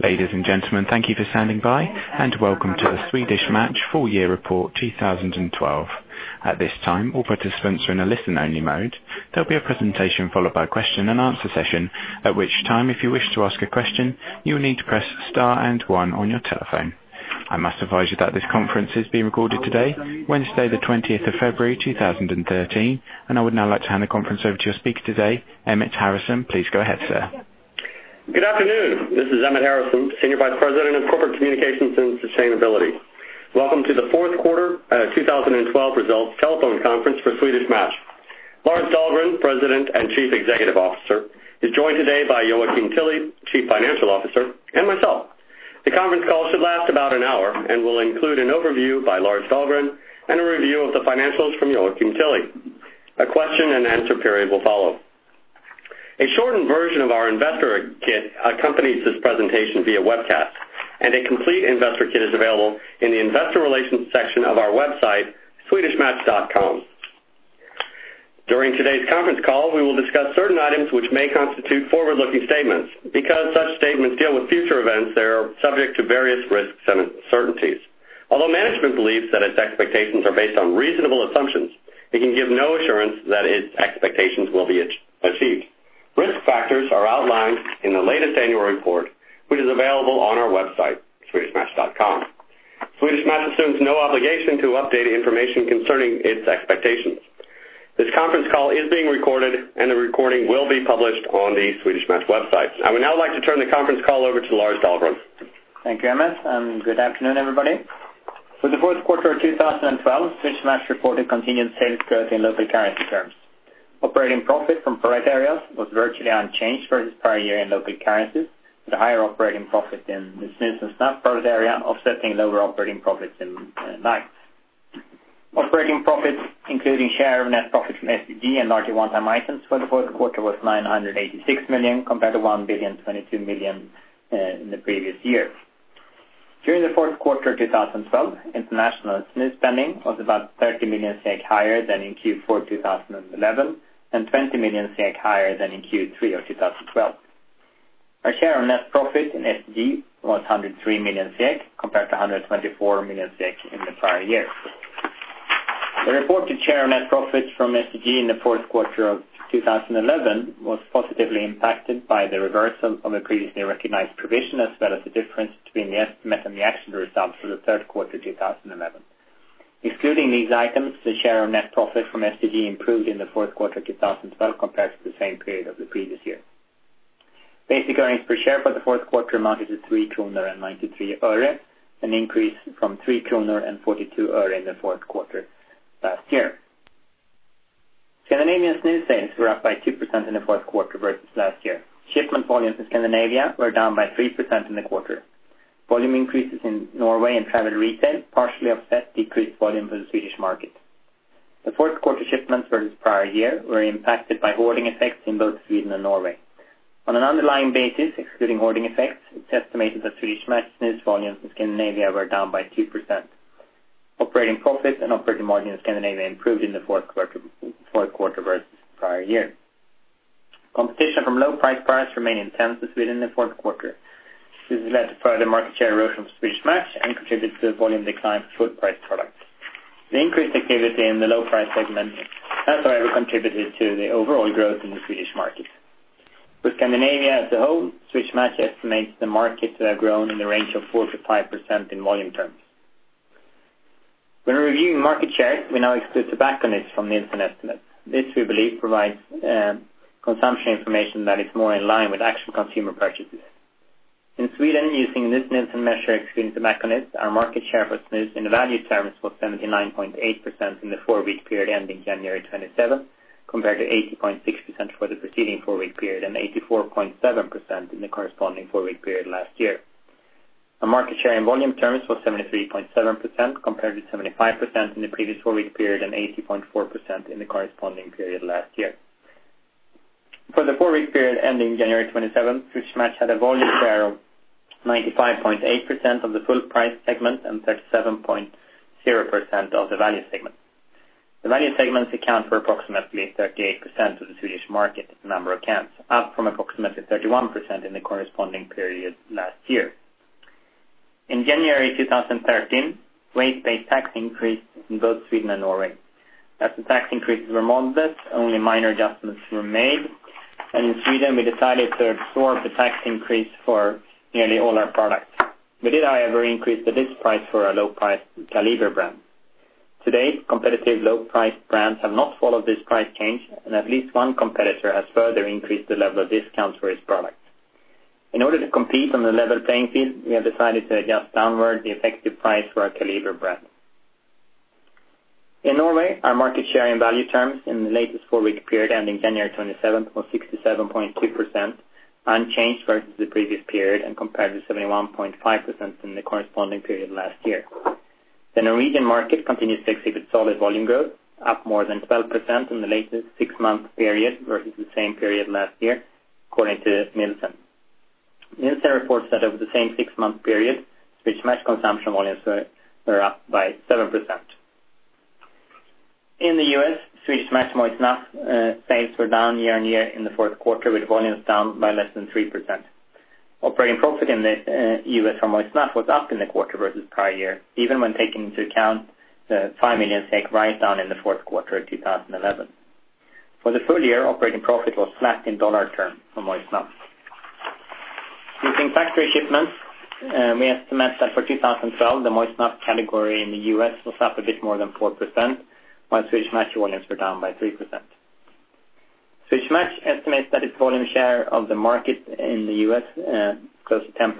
Ladies and gentlemen, thank you for standing by. Welcome to the Swedish Match Full Year Report 2012. At this time, all participants are in a listen-only mode. There will be a presentation followed by a question and answer session, at which time, if you wish to ask a question, you will need to press star and one on your telephone. I must advise you that this conference is being recorded today, Wednesday the 20th of February, 2013. I would now like to hand the conference over to your speaker today, Emmett Harrison. Please go ahead, sir. Good afternoon. This is Emmett Harrison, Senior Vice President of Corporate Communications and Sustainability. Welcome to the fourth quarter 2012 results telephone conference for Swedish Match. Lars Dahlgren, President and Chief Executive Officer, is joined today by Joakim Tilly, Chief Financial Officer. Myself. The conference call should last about an hour and will include an overview by Lars Dahlgren and a review of the financials from Joakim Tilly. A question and answer period will follow. A shortened version of our investor kit accompanies this presentation via webcast. A complete investor kit is available in the investor relations section of our website, swedishmatch.com. During today's conference call, we will discuss certain items which may constitute forward-looking statements. Such statements deal with future events, they are subject to various risks and uncertainties. Although management believes that its expectations are based on reasonable assumptions, it can give no assurance that its expectations will be achieved. Risk factors are outlined in the latest annual report, which is available on our website, swedishmatch.com. Swedish Match assumes no obligation to update information concerning its expectations. This conference call is being recorded. The recording will be published on the Swedish Match website. I would now like to turn the conference call over to Lars Dahlgren. Thank you, Emmett. Good afternoon, everybody. For the fourth quarter of 2012, Swedish Match reported continued sales growth in local currency terms. Operating profit from product areas was virtually unchanged versus prior year in local currencies, with a higher operating profit in the snus and snuff product area offsetting lower operating profits in lights. Operating profits, including share of net profits from STG and largely one-time items for the fourth quarter was 986 million, compared to 1,022 million in the previous year. During the fourth quarter of 2012, international snus spending was about 30 million SEK higher than in Q4 2011 and 20 million SEK higher than in Q3 of 2012. Our share of net profit in STG was 103 million SEK, compared to 124 million SEK in the prior year. The reported share of net profits from STG in the fourth quarter of 2011 was positively impacted by the reversal of a previously recognized provision, as well as the difference between the estimate and the actual results for the third quarter 2011. Excluding these items, the share of net profit from STG improved in the fourth quarter 2012 compared to the same period of the previous year. Basic earnings per share for the fourth quarter amounted to 3.93 kronor, an increase from 3.42 kronor in the fourth quarter last year. Scandinavian snus sales were up by 2% in the fourth quarter versus last year. Shipment volumes in Scandinavia were down by 3% in the quarter. Volume increases in Norway and travel retail partially offset decreased volume for the Swedish market. The fourth quarter shipments versus prior year were impacted by hoarding effects in both Sweden and Norway. On an underlying basis, excluding hoarding effects, it is estimated that Swedish Match snus volumes in Scandinavia were down by 2%. Operating profits and operating margin in Scandinavia improved in the fourth quarter versus the prior year. Competition from low price products remained intense in Sweden in the fourth quarter. This has led to further market share erosion for Swedish Match and contributed to the volume decline for full price products. The increased activity in the low price segment has, however, contributed to the overall growth in the Swedish market. With Scandinavia as a whole, Swedish Match estimates the markets have grown in the range of 4%-5% in volume terms. When reviewing market share, we now exclude tobacco niche from Nielsen estimates. This, we believe, provides consumption information that is more in line with actual consumer purchases. In Sweden, using Nielsen measure excluding tobacco niche, our market share for snus in the value terms was 79.8% in the four-week period ending January 27th, compared to 80.6% for the preceding four-week period and 84.7% in the corresponding four-week period last year. Our market share in volume terms was 73.7%, compared to 75% in the previous four-week period and 80.4% in the corresponding period last year. For the four-week period ending January 27th, Swedish Match had a volume share of 95.8% of the full price segment and 37.0% of the value segment. The value segments account for approximately 38% of the Swedish market in the number of cans, up from approximately 31% in the corresponding period last year. In January 2013, rate-based tax increased in both Sweden and Norway. As the tax increases were modest, only minor adjustments were made. In Sweden, we decided to absorb the tax increase for nearly all our products. We did, however, increase the list price for our low price Kaliber brand. To date, competitive low price brands have not followed this price change. At least one competitor has further increased the level of discounts for its products. In order to compete on a level playing field, we have decided to adjust downward the effective price for our Kaliber brand. In Norway, our market share in value terms in the latest four-week period ending January 27th was 67.2%, unchanged versus the previous period and compared to 71.5% in the corresponding period last year. The Norwegian market continues to exhibit solid volume growth, up more than 12% in the latest six-month period versus the same period last year, according to Nielsen. Nielsen reports that over the same six-month period, Swedish Match consumption volumes were up by 7%. In the U.S., Swedish Match moist snuff sales were down year-over-year in the fourth quarter, with volumes down by less than 3%. Operating profit in the U.S. for moist snuff was up in the quarter versus prior year, even when taking into account the SEK 5 million write-down in the fourth quarter of 2011. For the full year, operating profit was flat in dollar term for moist snuff. Using factory shipments, we estimate that for 2012, the moist snuff category in the U.S. was up a bit more than 4%, while Swedish Match volumes were down by 3%. Swedish Match estimates that its volume share of the market in the U.S., close to 10%.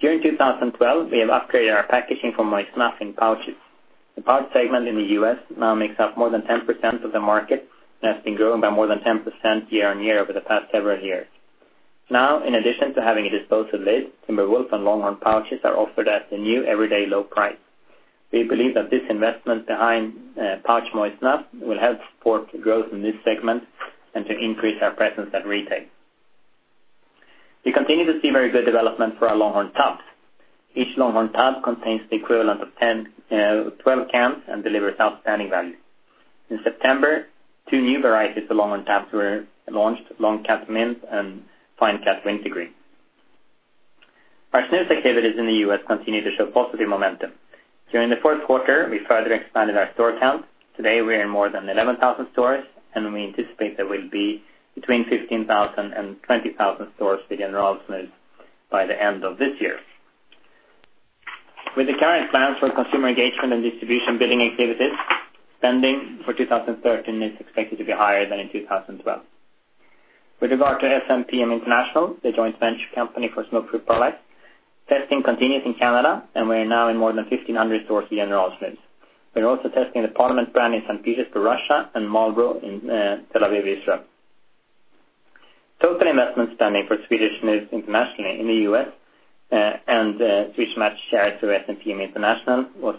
During 2012, we have upgraded our packaging for moist snuff in pouches. The pouch segment in the U.S. now makes up more than 10% of the market and has been growing by more than 10% year-over-year over the past several years. In addition to having a disposal lid, Timber Wolf and Longhorn pouches are offered at the new everyday low price. We believe that this investment behind pouch moist snuff will help support growth in this segment and to increase our presence at retail. We continue to see very good development for our Longhorn Tubs. Each Longhorn Tub contains the equivalent of 12 cans and delivers outstanding value. In September, two new varieties of Longhorn Tubs were launched, Long Cut Mint and Fine Cut Wintergreen. Our snus activities in the U.S. continue to show positive momentum. During the fourth quarter, we further expanded our store count. Today, we are in more than 11,000 stores, and we anticipate there will be between 15,000 and 20,000 stores for General Snus by the end of this year. With the current plans for consumer engagement and distribution building activities, spending for 2013 is expected to be higher than in 2012. With regard to SMPM International, the joint venture company for smoke-free products, testing continues in Canada, and we are now in more than 1,500 stores with General Snus. We are also testing the Parliament brand in St. Petersburg, Russia, and Marlboro in Tel Aviv, Israel. Total investment spending for Swedish Snus internationally in the U.S. and Swedish Match shares through SMPM International was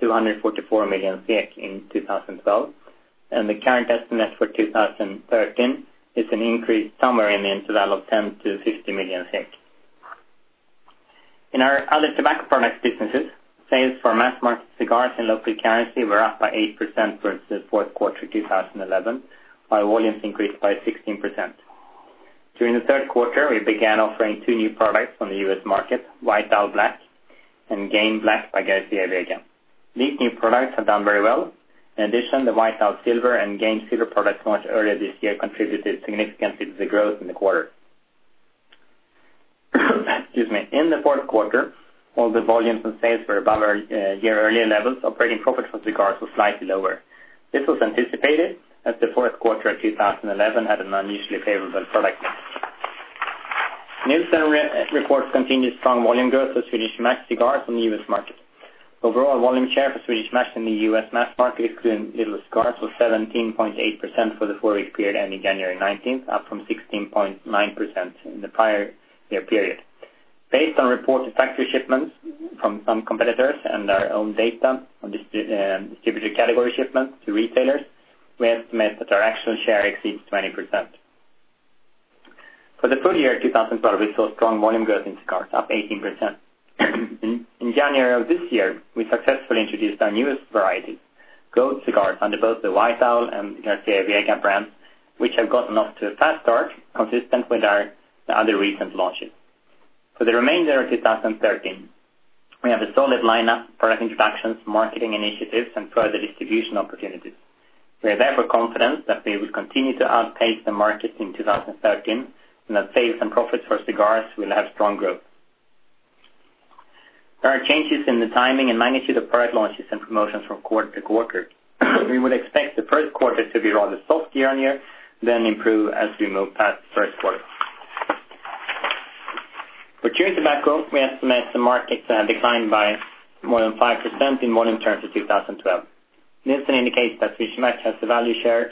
244 million SEK in 2012, and the current estimate for 2013 is an increase somewhere in the interval of 10 million-50 million. In our other tobacco products businesses, sales for mass market cigars in local currency were up by 8% versus fourth quarter 2011, while volumes increased by 16%. During the third quarter, we began offering two new products on the U.S. market, White Owl Black and Game Black by Garcia y Vega. These new products have done very well. In addition, the White Owl Silver and Game Silver products launched earlier this year contributed significantly to the growth in the quarter. Excuse me. In the fourth quarter, while the volumes and sales were above our year earlier levels, operating profit for cigars was slightly lower. This was anticipated as the fourth quarter of 2011 had an unusually favorable product mix. Nielsen reports continued strong volume growth for Swedish Match cigars on the U.S. market. Overall volume share for Swedish Match in the U.S. mass market, including little cigars, was 17.8% for the four-week period ending January 19th, up from 16.9% in the prior year period. Based on reported factory shipments from some competitors and our own data on distributor category shipments to retailers, we estimate that our actual share exceeds 20%. For the full year 2012, we saw strong volume growth in cigars, up 18%. In January of this year, we successfully introduced our newest variety, Gold Cigars, under both the White Owl and Garcia y Vega brands, which have gotten off to a fast start, consistent with our other recent launches. For the remainder of 2013, we have a solid lineup of product introductions, marketing initiatives, and further distribution opportunities. We are therefore confident that we will continue to outpace the market in 2013 and that sales and profits for cigars will have strong growth. There are changes in the timing and magnitude of product launches and promotions from quarter to quarter. We would expect the first quarter to be rather soft year-on-year, then improve as we move past first quarter. For chewing tobacco, we estimate the market declined by more than 5% in volume terms of 2012. Nielsen indicates that Swedish Match has the value share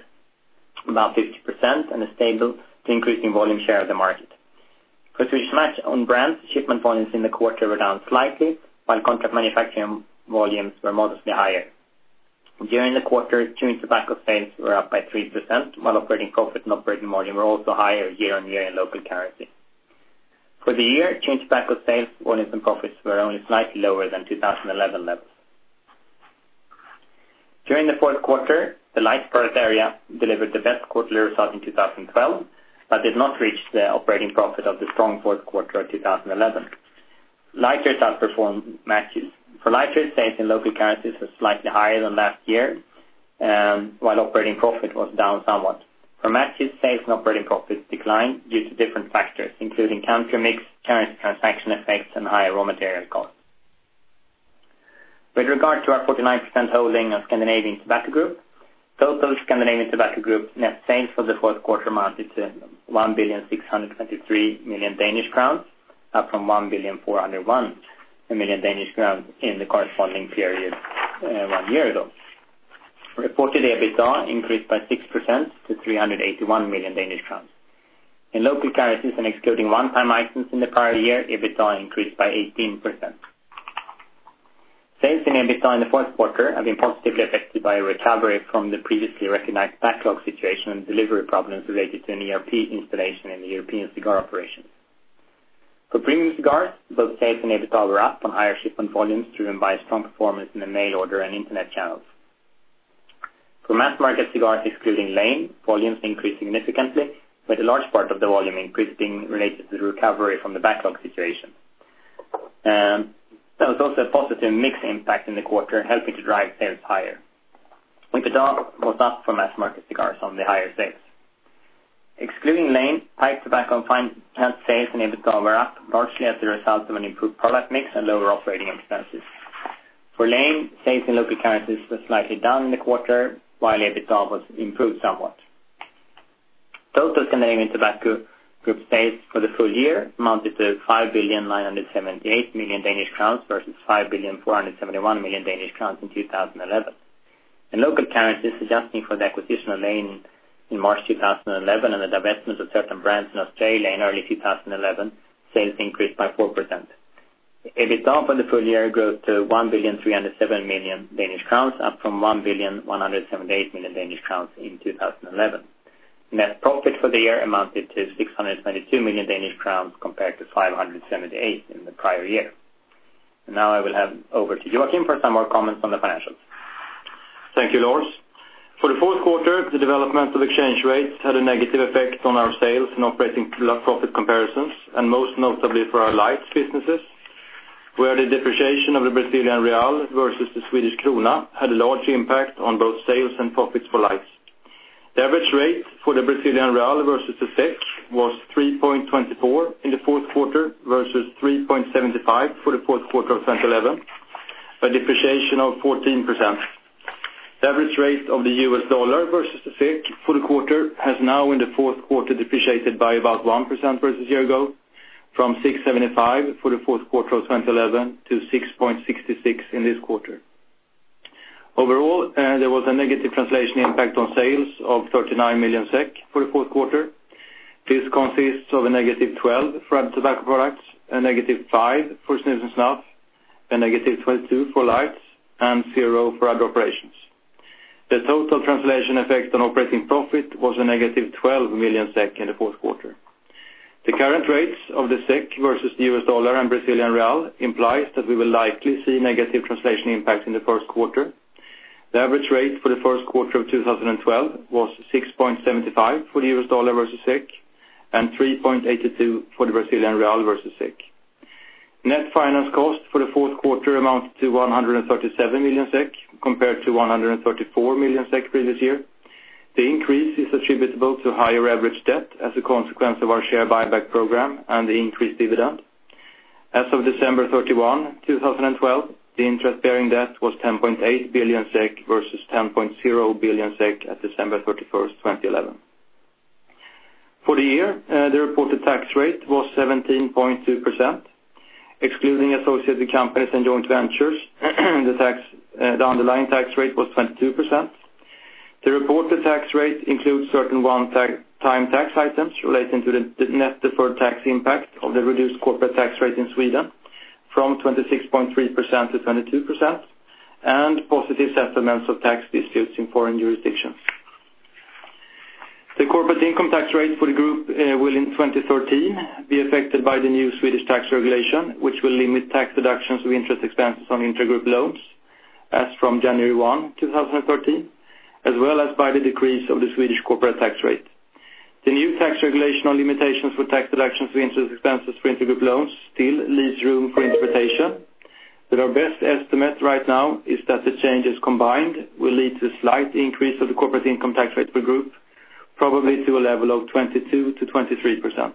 of about 50% and a stable to increasing volume share of the market. For Swedish Match own brands, shipment volumes in the quarter were down slightly, while contract manufacturing volumes were modestly higher. During the quarter, chewing tobacco sales were up by 3%, while operating profit and operating margin were also higher year-on-year in local currency. For the year, chewing tobacco sales, volumes, and profits were only slightly lower than 2011 levels. During the fourth quarter, the light product area delivered the best quarterly result in 2012 but did not reach the operating profit of the strong fourth quarter of 2011. Lighters outperformed matches. For lighters, sales in local currencies were slightly higher than last year, while operating profit was down somewhat. For matches, sales and operating profits declined due to different factors, including country mix, currency transaction effects, and higher raw material costs. With regard to our 49% holding of Scandinavian Tobacco Group, total Scandinavian Tobacco Group net sales for the fourth quarter amounted to 1,623,000,000 Danish crowns, up from 1,401,000,000 Danish crowns in the corresponding period one year ago. Reported EBITDA increased by 6% to 381 million Danish crowns. In local currencies and excluding one-time items in the prior year, EBITDA increased by 18%. Sales and EBITDA in the fourth quarter have been positively affected by a recovery from the previously recognized backlog situation and delivery problems related to an ERP installation in the European cigar operations. For premium cigars, both sales and EBITDA were up on higher shipment volumes driven by a strong performance in the mail order and internet channels. For mass market cigars, excluding Lane, volumes increased significantly with a large part of the volume increasing related to the recovery from the backlog situation. There was also a positive mix impact in the quarter, helping to drive sales higher. EBITDA was up for mass market cigars on the higher sales. Excluding Lane, pipe tobacco and fine cut sales and EBITDA were up, largely as a result of an improved product mix and lower operating expenses. For Lane, sales in local currencies were slightly down in the quarter, while EBITDA was improved somewhat. Total Scandinavian Tobacco Group sales for the full year amounted to 5,978,000,000 Danish crowns versus 5,471,000,000 Danish crowns in 2011. In local currencies, adjusting for the acquisition of Lane in March 2011 and the divestment of certain brands in Australia in early 2011, sales increased by 4%. EBITDA for the full year grew to 1,307,000,000 Danish crowns, up from 1,178,000,000 Danish crowns in 2011. Net profit for the year amounted to 622,000,000 Danish crowns compared to 578 million in the prior year. Now I will hand over to Joakim for some more comments on the financials. Thank you, Lars. For the fourth quarter, the development of exchange rates had a negative effect on our sales and operating profit comparisons, and most notably for our lights businesses, where the depreciation of the Brazilian real versus the Swedish krona had a large impact on both sales and profits for lights. The average rate for the Brazilian real versus the SEK was 3.24 in the fourth quarter versus 3.75 for the fourth quarter of 2011, a depreciation of 14%. The average rate of the U.S. dollar versus the SEK for the quarter has now in the fourth quarter depreciated by about 1% versus a year ago from 6.75 for the fourth quarter of 2011 to 6.66 in this quarter. Overall, there was a negative translation impact on sales of 39 million SEK for the fourth quarter. This consists of a negative 12 million for tobacco products, a negative 5 million for snus and snuff, a negative 22 million for lights, and 0 for other operations. The total translation effect on operating profit was a negative 12 million SEK in the fourth quarter. The current rates of the SEK versus the U.S. dollar and Brazilian real implies that we will likely see negative translation impacts in the first quarter. The average rate for the first quarter of 2012 was 6.75 for the U.S. dollar versus SEK, and 3.82 for the Brazilian real versus SEK. Net finance cost for the fourth quarter amounted to 137 million SEK, compared to 134 million SEK previous year. The increase is attributable to higher average debt as a consequence of our share buyback program and the increased dividend. As of December 31, 2012, the interest-bearing debt was 10.8 billion SEK versus 10.0 billion SEK at December 31st, 2011. For the year, the reported tax rate was 17.2%, excluding associated companies and joint ventures, the underlying tax rate was 22%. The reported tax rate includes certain one-time tax items relating to the net deferred tax impact of the reduced corporate tax rate in Sweden from 26.3% to 22%, and positive settlements of tax disputes in foreign jurisdictions. The corporate income tax rate for the group will in 2013 be affected by the new Swedish tax regulation, which will limit tax deductions of interest expenses on intragroup loans as from January 1, 2013, as well as by the decrease of the Swedish corporate tax rate. The new tax regulation on limitations for tax deductions for interest expenses for intragroup loans still leaves room for interpretation. Our best estimate right now is that the changes combined will lead to a slight increase of the corporate income tax rate for the group, probably to a level of 22%-23%.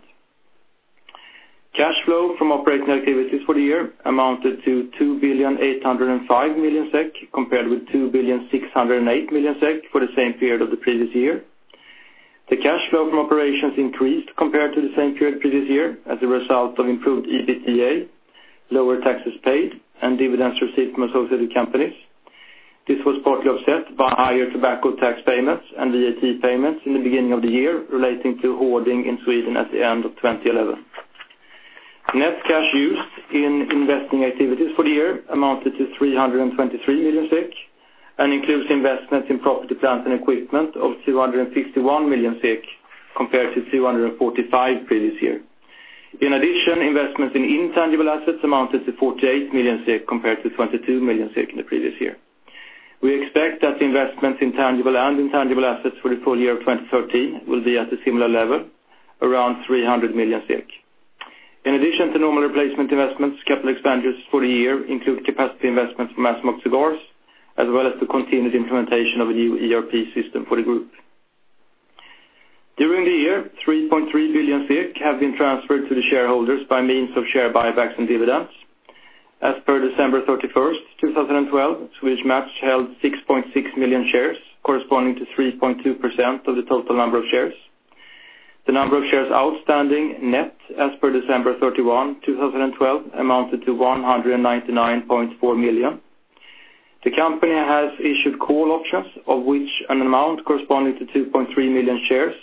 Cash flow from operating activities for the year amounted to 2,805,000,000 SEK, compared with 2,608,000,000 SEK for the same period of the previous year. The cash flow from operations increased compared to the same period previous year as a result of improved EBITDA, lower taxes paid, and dividends received from associated companies. This was partly offset by higher tobacco tax payments and VAT payments in the beginning of the year relating to hoarding in Sweden at the end of 2011. Net cash used in investing activities for the year amounted to 323 million SEK and includes investments in property, plant, and equipment of 251 million SEK compared to 245 million previous year. In addition, investments in intangible assets amounted to 48 million SEK compared to 22 million SEK in the previous year. We expect that the investments in tangible and intangible assets for the full year of 2013 will be at a similar level, around 300 million. In addition to normal replacement investments, capital expenditures for the year include capacity investments from Assumpt cigars, as well as the continued implementation of a new ERP system for the group. During the year, 3.3 billion have been transferred to the shareholders by means of share buybacks and dividends. As per December 31st, 2012, Swedish Match held 6.6 million shares, corresponding to 3.2% of the total number of shares. The number of shares outstanding net as per December 31, 2012, amounted to 199.4 million. The company has issued call options, of which an amount corresponding to 2.3 million shares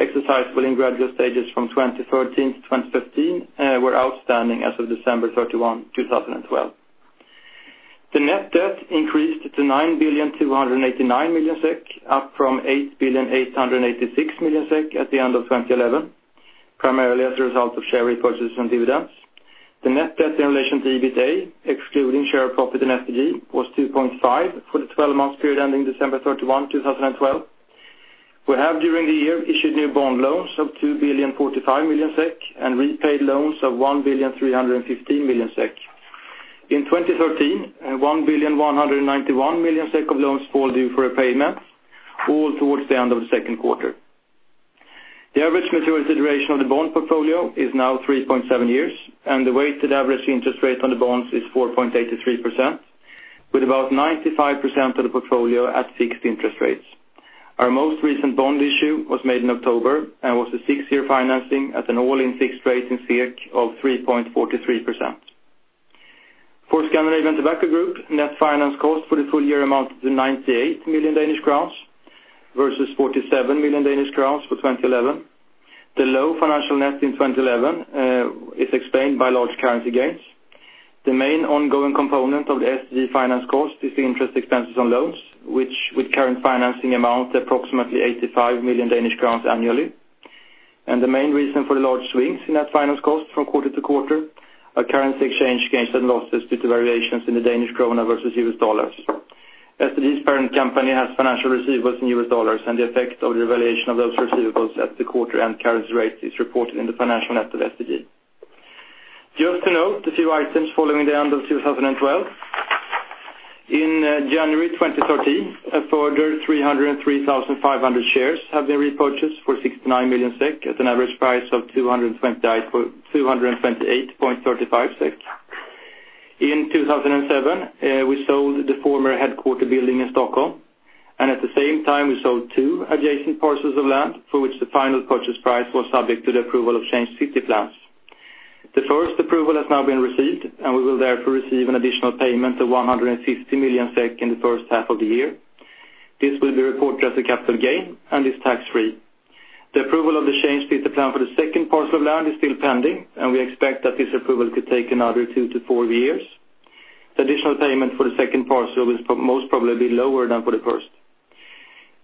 exercisable in gradual stages from 2013 to 2015 were outstanding as of December 31, 2012. The net debt increased to 9,289,000,000 SEK, up from 8,886,000,000 SEK at the end of 2011, primarily as a result of share repurchases and dividends. The net debt in relation to EBITDA, excluding share profit in STG, was 2.5 for the 12-month period ending December 31, 2012. We have, during the year, issued new bond loans of 2,045,000,000 SEK and repaid loans of 1,315,000,000 SEK. In 2013, 1,191,000,000 SEK of loans fall due for repayments, all towards the end of the second quarter. The average maturity duration of the bond portfolio is now 3.7 years, and the weighted average interest rate on the bonds is 4.83%, with about 95% of the portfolio at fixed interest rates. Our most recent bond issue was made in October and was a six-year financing at an all-in fixed rate in SEK of 3.43%. For Scandinavian Tobacco Group, net finance cost for the full year amounted to 98 million Danish crowns versus 47 million Danish crowns for 2011. The low financial net in 2011 is explained by large currency gains. The main ongoing component of the STG finance cost is the interest expenses on loans, which with current financing amount approximately 85 million Danish crowns annually. The main reason for the large swings in net finance cost from quarter to quarter are currency exchange gains and losses due to variations in the Danish kroner versus US dollars. STG's parent company has financial receivables in US dollars, and the effect of the evaluation of those receivables at the quarter-end current rate is reported in the financial net of STG. Just to note a few items following the end of 2012. In January 2013, a further 303,500 shares have been repurchased for 69 million SEK at an average price of 228.35 SEK. In 2007, we sold the former headquarter building in Stockholm, and at the same time we sold two adjacent parcels of land for which the final purchase price was subject to the approval of changed city plans. The first approval has now been received, and we will therefore receive an additional payment of 150 million SEK in the first half of the year. This will be reported as a capital gain and is tax-free. The approval of the change to the plan for the second parcel of land is still pending, and we expect that this approval could take another two to four years. The additional payment for the second parcel will most probably be lower than for the first.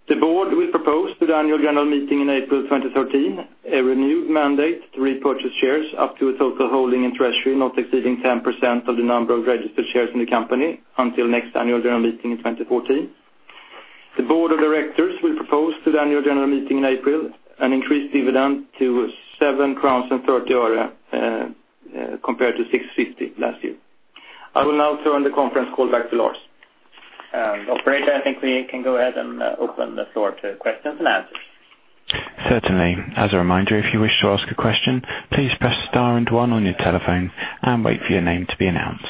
The board will propose to the Annual General Meeting in April 2013 a renewed mandate to repurchase shares up to a total holding in treasury not exceeding 10% of the number of registered shares in the company until next Annual General Meeting in 2014. The board of directors will propose to the Annual General Meeting in April an increased dividend to 7.30 crowns compared to 6.50 last year. I will now turn the conference call back to Lars. Operator, I think we can go ahead and open the floor to questions and answers. Certainly. As a reminder, if you wish to ask a question, please press star and one on your telephone and wait for your name to be announced.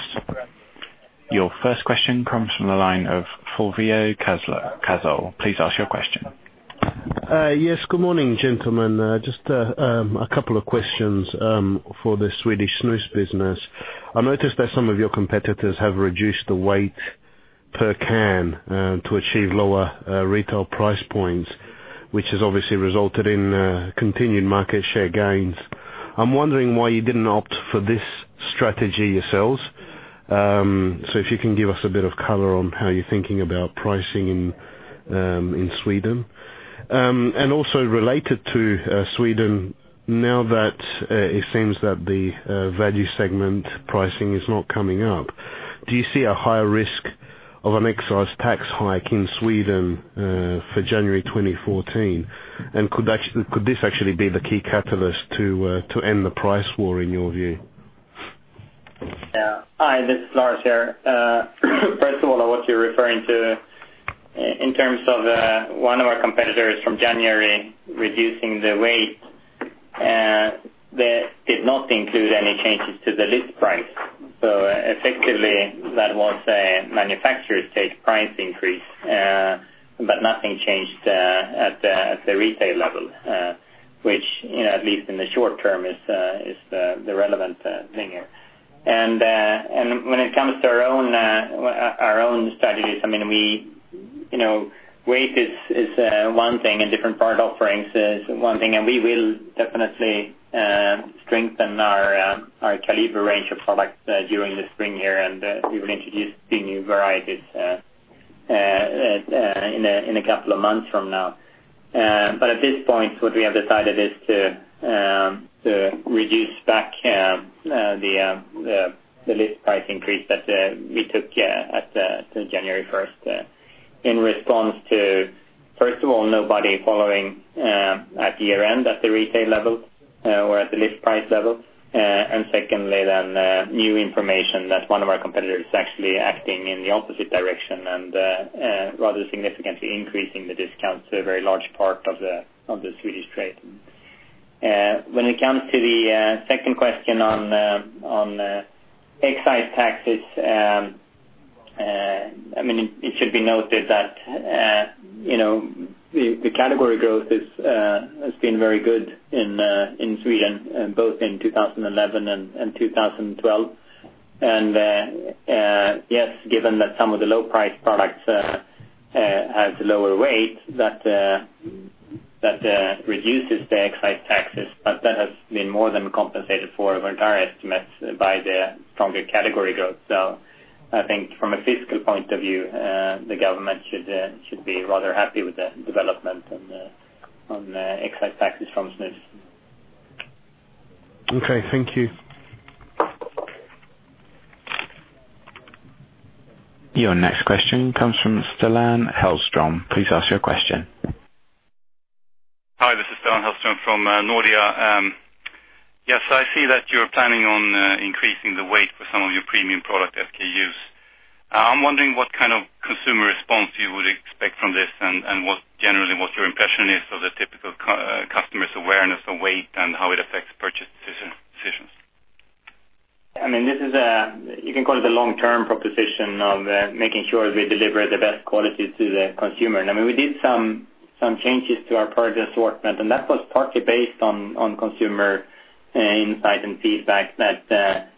Your first question comes from the line of Fulvio Casal. Please ask your question. Yes. Good morning, gentlemen. Just a couple of questions for the Swedish snus business. I noticed that some of your competitors have reduced the weight per can to achieve lower retail price points, which has obviously resulted in continued market share gains. I am wondering why you did not opt for this strategy yourselves. If you can give us a bit of color on how you are thinking about pricing in Sweden. Also related to Sweden, now that it seems that the value segment pricing is not coming up, do you see a higher risk of an excise tax hike in Sweden for January 2014? Could this actually be the key catalyst to end the price war in your view? Hi, this is Lars here. First of all, what you are referring to in terms of one of our competitors from January reducing the weight, that did not include any changes to the list price. Effectively, that was a manufacturer's take price increase, but nothing changed at the retail level, which at least in the short term is the relevant thing here. When it comes to our own strategies, weight is one thing and different product offerings is one thing, and we will definitely strengthen our Kaliber range of products during the spring here, and we will introduce the new varieties in a couple of months from now. At this point, what we have decided is to reduce back the list price increase that we took at January 1st in response to, first of all, nobody following at year-end at the retail level or at the list price level. Secondly, new information that one of our competitors is actually acting in the opposite direction and rather significantly increasing the discounts to a very large part of the Swedish trade. When it comes to the second question on excise taxes, it should be noted that the category growth has been very good in Sweden, both in 2011 and 2012. Yes, given that some of the low-price products has lower weight that reduces the excise taxes, but that has been more than compensated for our entire estimates by the stronger category growth. I think from a fiscal point of view, the government should be rather happy with the development on the excise taxes from Swedish. Okay. Thank you. Your next question comes from Stellan Hellström. Please ask your question. Hi. This is Stellan Hellström from Nordea. Yes, I see that you're planning on increasing the weight for some of your premium product SKUs. I'm wondering what kind of consumer response you would expect from this, and generally what your impression is of the typical customer's awareness of weight and how it affects purchase decisions. You can call it the long-term proposition of making sure we deliver the best quality to the consumer. We did some changes to our product assortment, and that was partly based on consumer insight and feedback that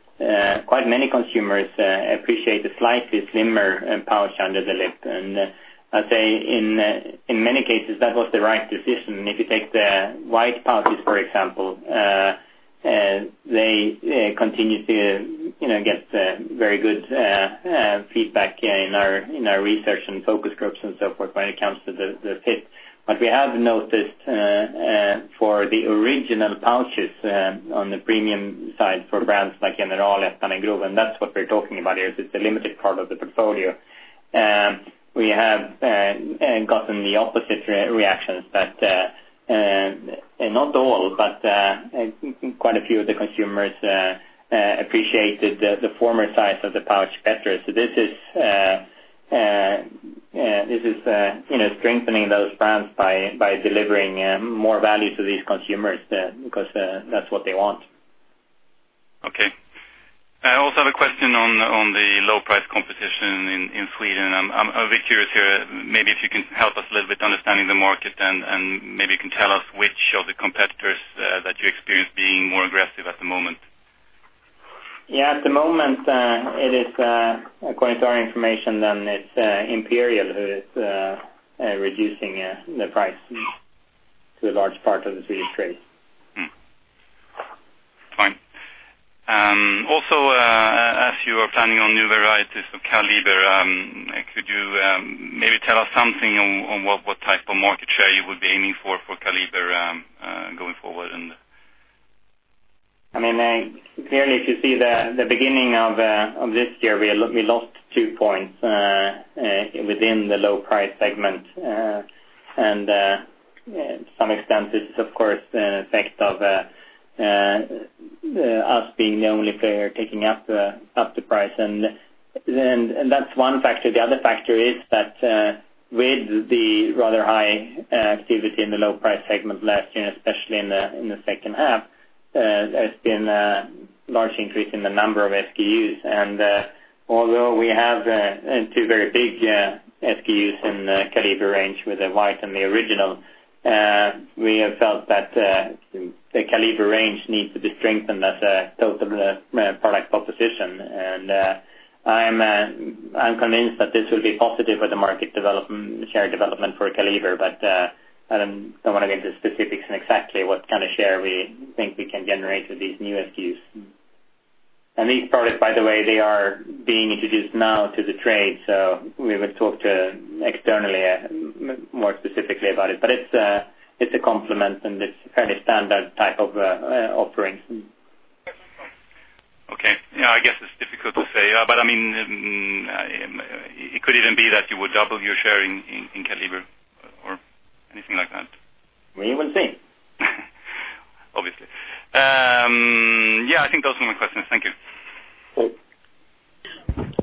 quite many consumers appreciate the slightly slimmer pouch under the lip. I'd say, in many cases, that was the right decision. If you take the white pouches, for example, they continue to get very good feedback in our research and focus groups and so forth when it comes to the fit. We have noticed for the original pouches on the premium side for brands like General and Grov, that's what we're talking about here, it's the limited part of the portfolio. We have gotten the opposite reactions, not all, but quite a few of the consumers appreciated the former size of the pouch better. This is strengthening those brands by delivering more value to these consumers, because that's what they want. Okay. I also have a question on the low price competition in Sweden. I'm a bit curious here. Maybe if you can help us a little bit understanding the market and maybe you can tell us which of the competitors that you experience being more aggressive at the moment. At the moment, according to our information, it's Imperial who is reducing the price to a large part of the Swedish trade. Hmm. Fine. As you are planning on new varieties of Kaliber, could you maybe tell us something on what type of market share you would be aiming for Kaliber going forward? Clearly, if you see the beginning of this year, we lost two points within the low price segment. To some extent, this is of course an effect of us being the only player taking up the price. That's one factor. The other factor is that with the rather high activity in the low price segment last year, especially in the second half, there's been a large increase in the number of SKUs. Although we have two very big SKUs in the Kaliber range with the white and the original, we have felt that the Kaliber range needs to be strengthened as a total product proposition. I'm convinced that this will be positive for the market share development for Kaliber, but I don't want to get into specifics on exactly what kind of share we think we can generate with these new SKUs. These products, by the way, they are being introduced now to the trade, we will talk externally more specifically about it. It's a complement, it's a fairly standard type of offering. Okay. Yeah, I guess it's difficult to say. It could even be that you would double your share in Kaliber or anything like that. We will see. Obviously. Yeah. I think those were my questions. Thank you. Okay.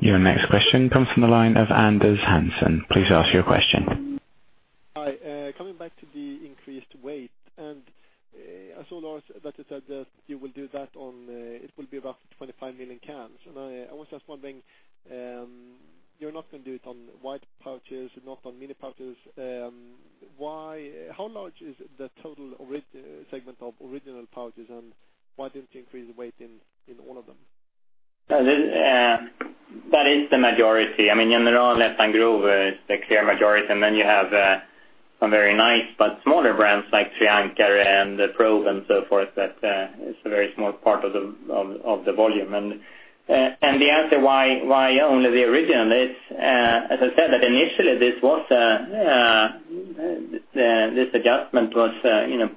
Your next question comes from the line of Anders Larsson. Please ask your question. Hi. Coming back to the increased weight, I saw, Lars, it will be about 25 million cans. I was just wondering, you're not going to do it on white pouches, not on mini pouches. How large is the total segment of original pouches, and why didn't you increase the weight in all of them? That is the majority. General, Ettan and Grov is the clear majority. Then you have some very nice but smaller brands like Tre Ankare and Probe and so forth. That is a very small part of the volume. The answer why only the original is, as I said, that initially this adjustment was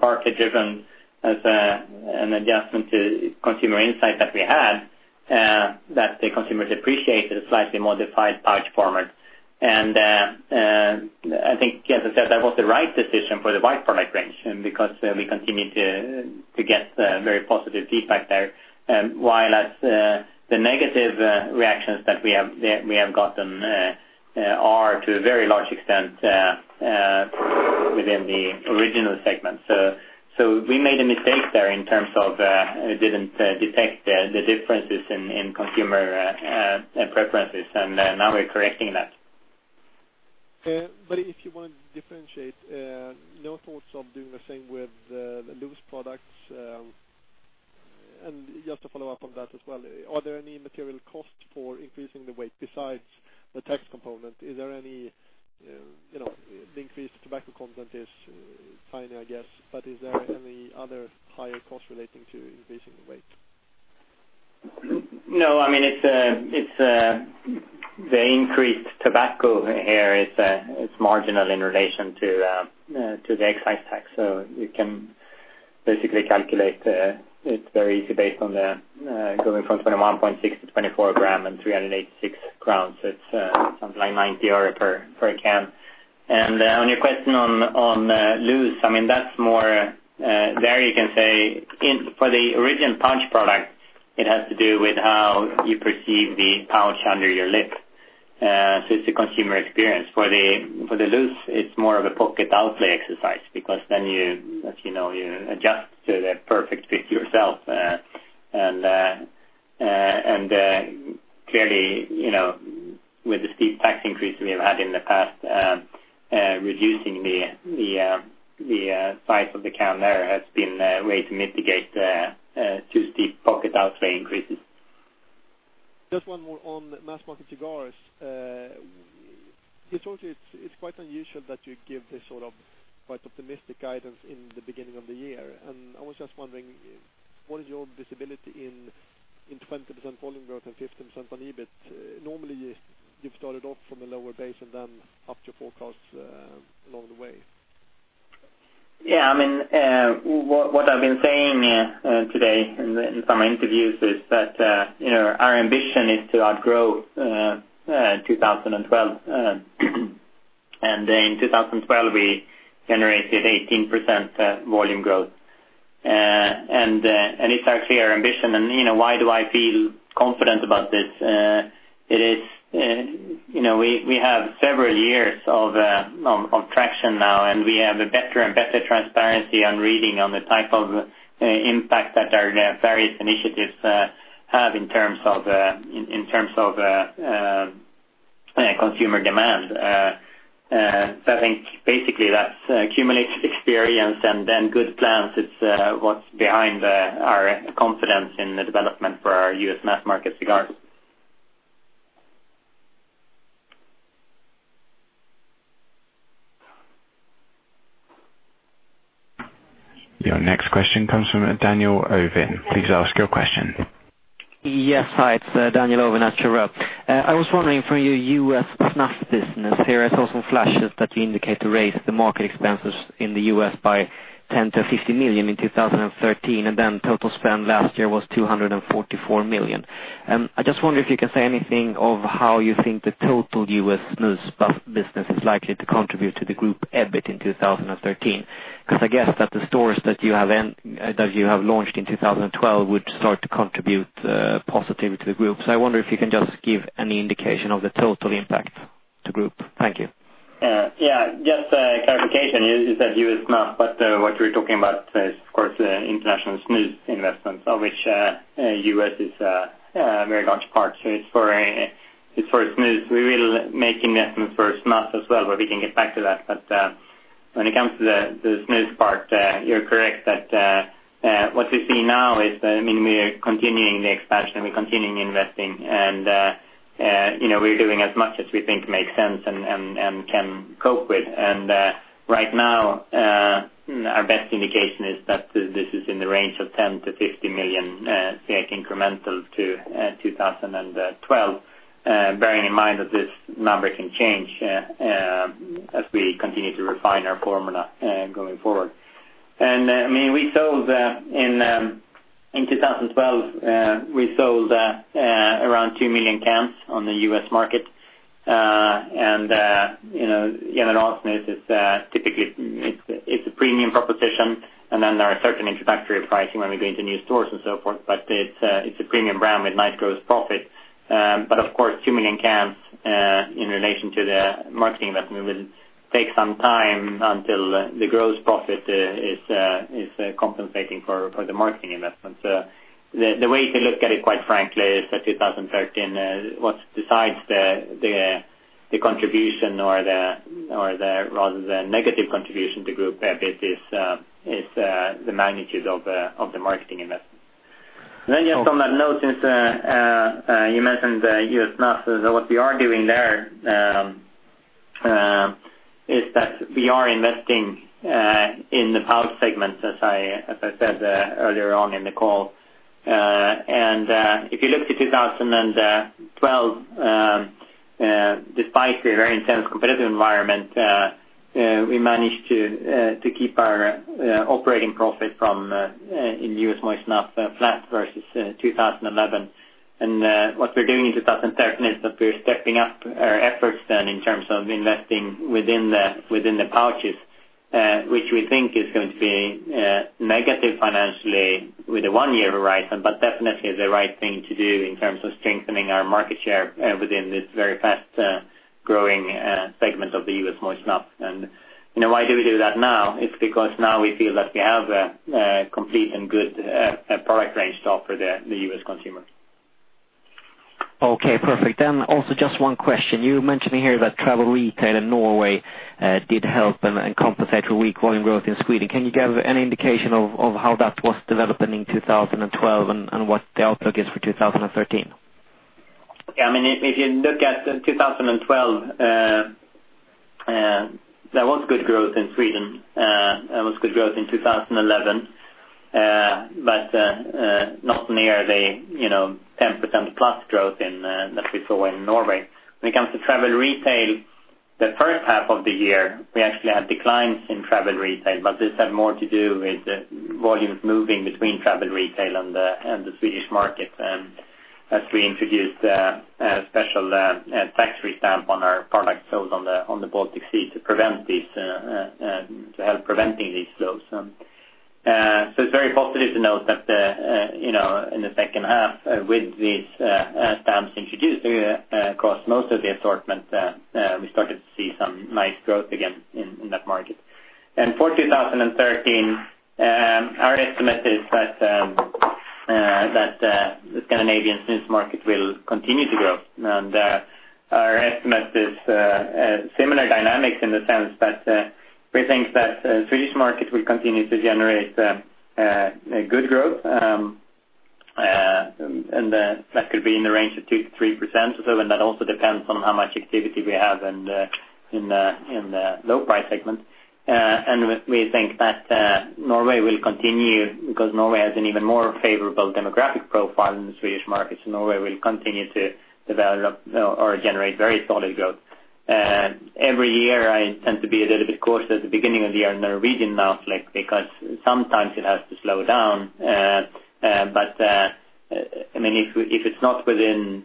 partly driven as an adjustment to consumer insight that we had, that the consumers appreciated a slightly modified pouch format. I think, as I said, that was the right decision for the white product range, and because we continue to get very positive feedback there, while the negative reactions that we have gotten are to a very large extent within the original segment. We made a mistake there in terms of we didn't detect the differences in consumer preferences, and now we're correcting that. If you want to differentiate, no thoughts of doing a thing with the loose products. Just to follow up on that as well, are there any material costs for increasing the weight besides the tax component? The increased tobacco content is tiny, I guess, but are there any other higher costs relating to increasing the weight? No. The increased tobacco here is marginal in relation to the excise tax. You can basically calculate it very easily based on going from 21.6 to 24 grams and 386 crowns. It's something like SEK 0.90 per can. On your question on loose, there you can say for the original pouch product, it has to do with how you perceive the pouch under your lip. It's a consumer experience. For the loose, it's more of a pocket outlay exercise, because then you adjust to the perfect fit yourself. Clearly, with the steep tax increase we have had in the past, reducing the size of the can there has been a way to mitigate too-steep pocket outlay increases. Just one more on mass-market cigars. Historically, it's quite unusual that you give this sort of quite optimistic guidance in the beginning of the year. I was just wondering, what is your visibility in 20% volume growth and 15% on EBIT? Normally, you've started off from a lower base and then up your forecasts along the way. Yeah. What I've been saying today in some interviews is that our ambition is to outgrow 2012. In 2012, we generated 18% volume growth. It's actually our ambition. Why do I feel confident about this? We have several years of traction now, and we have a better and better transparency on reading on the type of impact that our various initiatives have in terms of consumer demand. I think basically that's cumulative experience and then good plans is what's behind our confidence in the development for our U.S. mass-market cigars. Your next question comes from Daniel Övren. Please ask your question. Yes. Hi. It's Daniel Övren at Truro. I was wondering, for your U.S. snuff business here, I saw some flashes that you indicate to raise the market expenses in the U.S. by 10 million-15 million in 2013, then total spend last year was 244 million. I just wonder if you can say anything of how you think the total U.S. snus business is likely to contribute to the group EBIT in 2013. I guess that the stores that you have launched in 2012 would start to contribute positively to the group. I wonder if you can just give any indication of the total impact to group. Thank you. Yeah. Just a clarification. You said U.S. snuff, what we're talking about is, of course, international snus investments, of which U.S. is a very large part. It's for snus. We will make investments for snuff as well, where we can get back to that. When it comes to the snus part, you're correct that what we see now is we are continuing the expansion, we're continuing investing, and we're doing as much as we think makes sense and can cope with. Right now, our best indication is that this is in the range of 10 million-50 million incremental to 2012, bearing in mind that this number can change as we continue to refine our formula going forward. In 2012, we sold around two million cans on the U.S. market. General Snus, typically it's a premium proposition, then there are certain introductory pricing when we go into new stores and so forth. It's a premium brand with nice gross profit. Of course, two million cans in relation to the marketing investment will take some time until the gross profit is compensating for the marketing investment. The way to look at it, quite frankly, is that 2013, what decides the contribution or rather the negative contribution to group EBIT is the magnitude of the marketing investment. Just on that note, since you mentioned the U.S. snuff. What we are doing there is that we are investing in the pouch segment, as I said earlier on in the call. If you look to 2012, despite the very intense competitive environment, we managed to keep our operating profit in U.S. moist snuff flat versus 2011. What we're doing in 2013 is that we're stepping up our efforts then in terms of investing within the pouches, which we think is going to be negative financially with a one-year horizon, but definitely is the right thing to do in terms of strengthening our market share within this very fast-growing segment of the U.S. moist snuff. Why do we do that now? It's because now we feel that we have a complete and good product range to offer the U.S. consumer. Okay, perfect. Also just one question. You mentioned here that travel retail in Norway did help and compensate for weak volume growth in Sweden. Can you give any indication of how that was developing in 2012 and what the outlook is for 2013? If you look at 2012, there was good growth in Sweden. There was good growth in 2011, but not near the 10% plus growth that we saw in Norway. When it comes to travel retail, the first half of the year, we actually had declines in travel retail, but this had more to do with volumes moving between travel retail and the Swedish market. As we introduced a special tax-free stamp on our product sold on the Baltic Sea to help preventing these flows. It's very positive to note that in the second half with these stamps introduced across most of the assortment, we started to see some nice growth again in that market. For 2013, our estimate is that the Scandinavian snus market will continue to grow. Our estimate is similar dynamics in the sense that we think that Swedish market will continue to generate a good growth, and that could be in the range of 2%-3% or so, and that also depends on how much activity we have in the low price segment. We think that Norway will continue, because Norway has an even more favorable demographic profile than the Swedish market, so Norway will continue to develop or generate very solid growth. Every year, I tend to be a little bit cautious at the beginning of the year in the region outlook because sometimes it has to slow down. If it's not within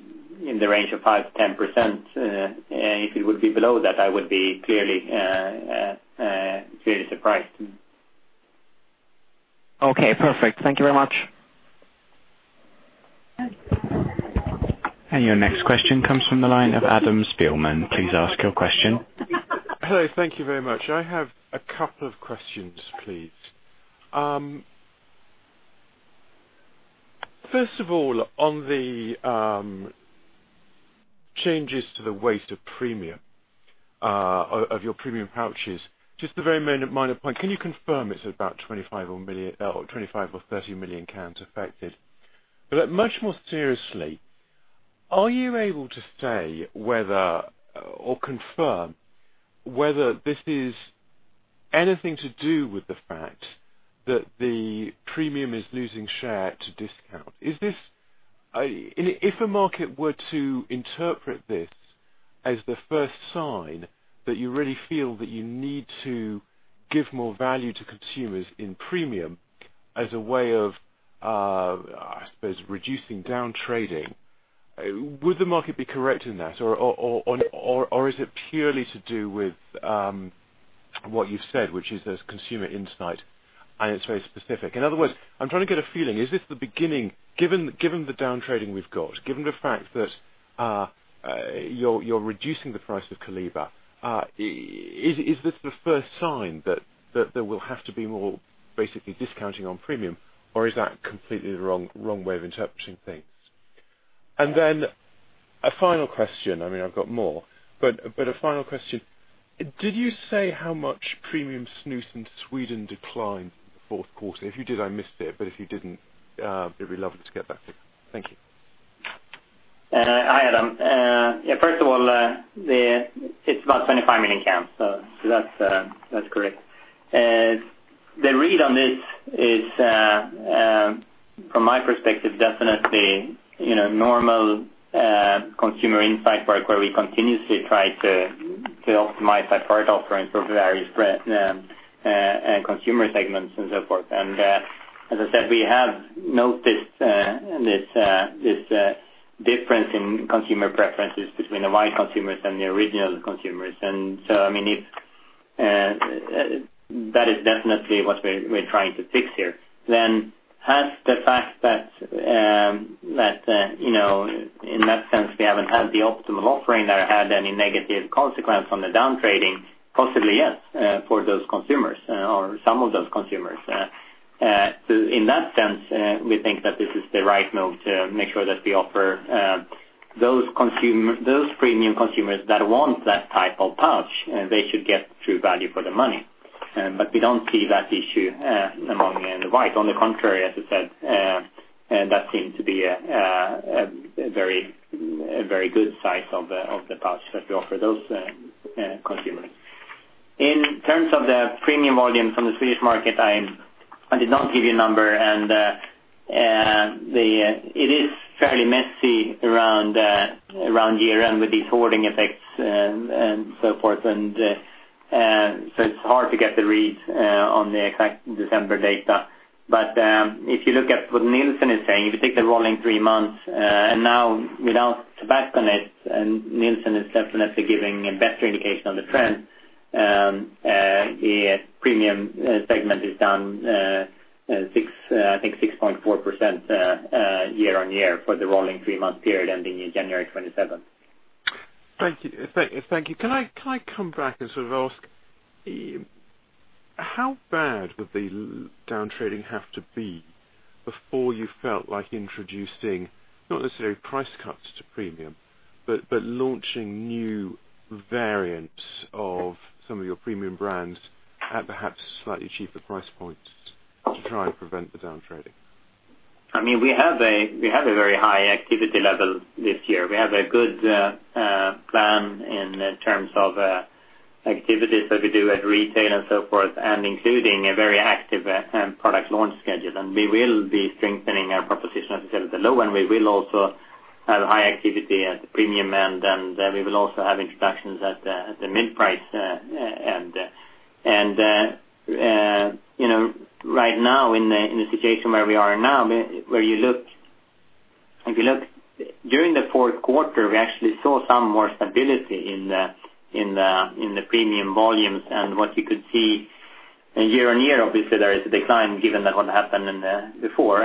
the range of 5%-10%, if it would be below that, I would be clearly surprised. Okay, perfect. Thank you very much. Your next question comes from the line of Adam Spielman. Please ask your question. Hello. Thank you very much. I have a couple of questions, please. First of all, on the changes to the weight of your premium pouches. Just a very minor point, can you confirm it's about 25 or 30 million cans affected? Much more seriously, are you able to say whether or confirm whether this is anything to do with the fact that the premium is losing share to discount? If a market were to interpret this as the first sign that you really feel that you need to give more value to consumers in premium as a way of, I suppose, reducing down trading, would the market be correct in that? Or is it purely to do with what you've said, which is there's consumer insight and it's very specific? In other words, I'm trying to get a feeling. Given the down trading we've got, given the fact that you're reducing the price of Kaliber, is this the first sign that there will have to be more basically discounting on premium? Or is that completely the wrong way of interpreting things? Then a final question. I've got more, but a final question. Did you say how much premium snus in Sweden declined in the fourth quarter? If you did, I missed it. If you didn't, it'd be lovely to get that figure. Thank you. Hi, Adam. First of all, it's about 25 million cans. That's correct. The read on this is, from my perspective, definitely normal consumer insight work where we continuously try to optimize our product offering for various consumer segments and so forth. As I said, we have noticed this difference in consumer preferences between the white consumers and the original consumers. That is definitely what we're trying to fix here. Has the fact that in that sense, we haven't had the optimal offering there had any negative consequence on the down trading? Possibly, yes, for those consumers or some of those consumers. In that sense, we think that this is the right move to make sure that we offer those premium consumers that want that type of pouch, they should get true value for their money. We don't see that issue among the white. On the contrary, as I said, that seemed to be a very good size of the pouch that we offer those consumers. In terms of the premium volume from the Swedish market, I did not give you a number, and it is fairly messy around year-end with these hoarding effects and so forth, and so it's hard to get the read on the exact December data. If you look at what Nielsen is saying, if you take the rolling three months, and now without tobacco in it, and Nielsen is definitely giving a better indication on the trend, the premium segment is down, I think, 6.4% year on year for the rolling three-month period ending in January 27th. Thank you. Can I come back and sort of ask, how bad would the downtrading have to be before you felt like introducing, not necessarily price cuts to premium, but launching new variants of some of your premium brands at perhaps slightly cheaper price points to try and prevent the downtrading? We have a very high activity level this year. We have a good plan in terms of activities that we do at retail and so forth, and including a very active product launch schedule. We will be strengthening our proposition at the low end. We will also have high activity at the premium end, and we will also have introductions at the mid-price end. Right now, in the situation where we are now, if you look during the fourth quarter, we actually saw some more stability in the premium volumes. What you could see in year-on-year, obviously there is a decline given what happened before.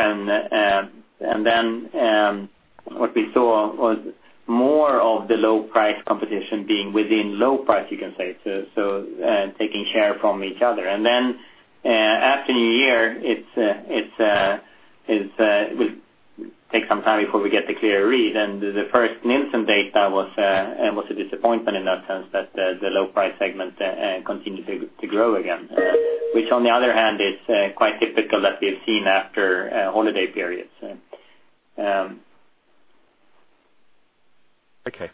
What we saw was more of the low price competition being within low price, you can say, so taking share from each other. After New Year, it would take some time before we get the clear read. The first Nielsen data was a disappointment in that sense that the low price segment continued to grow again. On the other hand is quite typical that we have seen after holiday periods. Okay.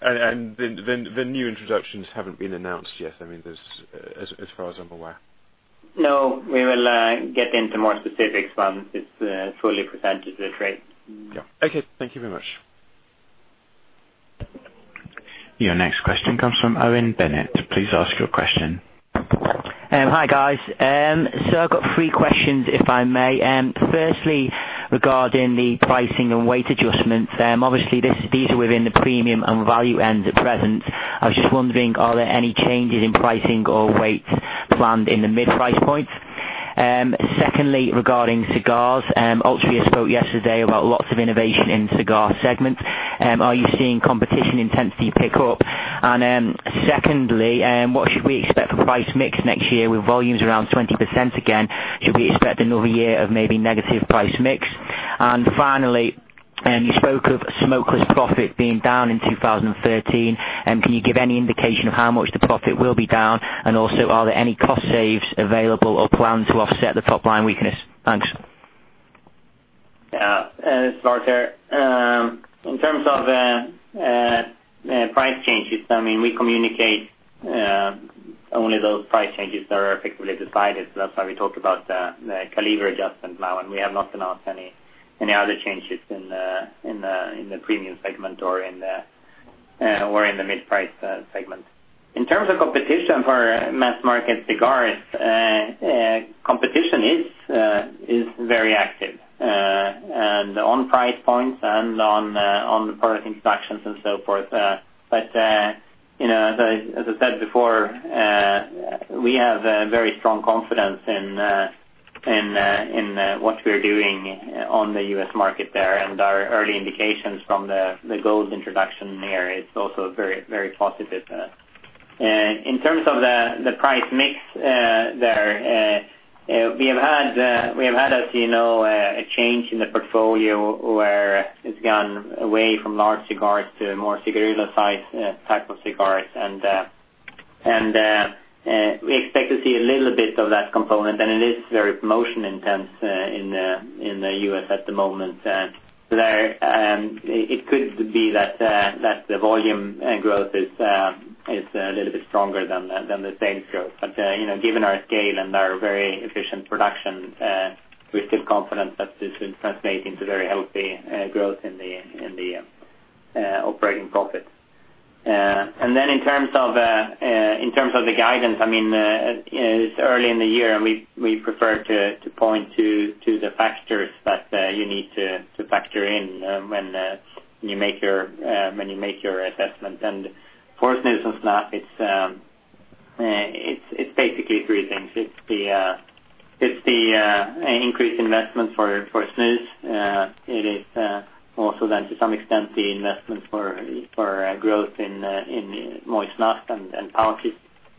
The new introductions haven't been announced yet, as far as I'm aware. No. We will get into more specifics once it's fully presented to the trade. Yeah. Okay. Thank you very much. Your next question comes from Owen Bennett. Please ask your question. Hi, guys. I've got three questions, if I may. Firstly, regarding the pricing and weight adjustments. Obviously these are within the premium and value end at present. I was just wondering, are there any changes in pricing or weights planned in the mid-price points? Secondly, regarding cigars. Altria spoke yesterday about lots of innovation in cigar segments. Are you seeing competition intensity pick up? What should we expect for price mix next year with volumes around 20% again? Should we expect another year of maybe negative price mix? Finally, you spoke of smokeless profit being down in 2013. Can you give any indication of how much the profit will be down? Also are there any cost saves available or planned to offset the top-line weakness? Thanks. This is Parker. In terms of price changes, we communicate only those price changes that are effectively decided, so that's why we talked about the Kaliber adjustment now, and we have not announced any other changes in the premium segment or in the mid-price segment. In terms of competition for mass market cigars, competition is very active. On price points and on the product introductions and so forth. As I said before, we have very strong confidence in what we are doing on the U.S. market there. Our early indications from the Gold introduction there is also very positive. In terms of the price mix there, we have had a change in the portfolio where it's gone away from large cigars to more cigarillo size type of cigars. We expect to see a little bit of that component. It is very promotion intense in the U.S. at the moment. It could be that the volume growth is a little bit stronger than the sales growth. Given our scale and our very efficient production, we're still confident that this will translate into very healthy growth in the operating profit. Then in terms of the guidance, it's early in the year and we prefer to point to the factors that you need to factor in when you make your assessment. For snus and snap, it's basically three things. It's the increased investment for snus. It is also then to some extent the investment for growth in moist snuff and pouches.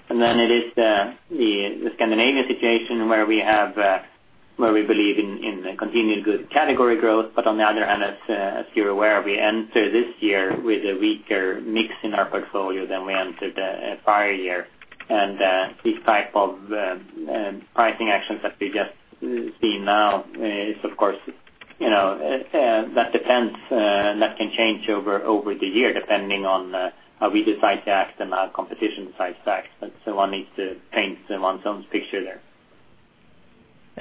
It is the Scandinavia situation where we believe in the continued good category growth, but on the other hand, as you are aware, we enter this year with a weaker mix in our portfolio than we entered the prior year. These type of pricing actions that we just see now is, of course, that depends. That can change over the year depending on how we decide to act and how competition decides to act. One needs to paint one's own picture there.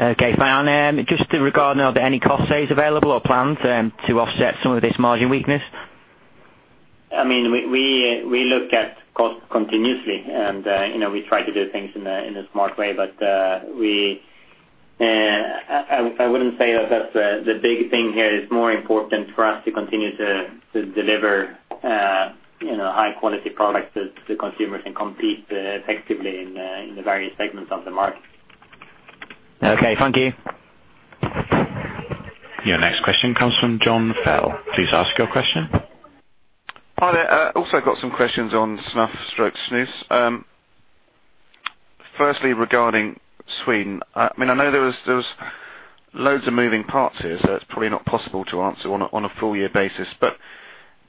Okay. Just regarding, are there any cost saves available or planned to offset some of this margin weakness? We look at cost continuously and we try to do things in a smart way. I wouldn't say that that's the big thing here. It's more important for us to continue to deliver high quality products to consumers and compete effectively in the various segments of the market. Okay. Thank you. Your next question comes from John Fell. Please ask your question. Hi there. I also got some questions on snuff/snus. Firstly, regarding Sweden, I know there was loads of moving parts here, so it's probably not possible to answer on a full year basis.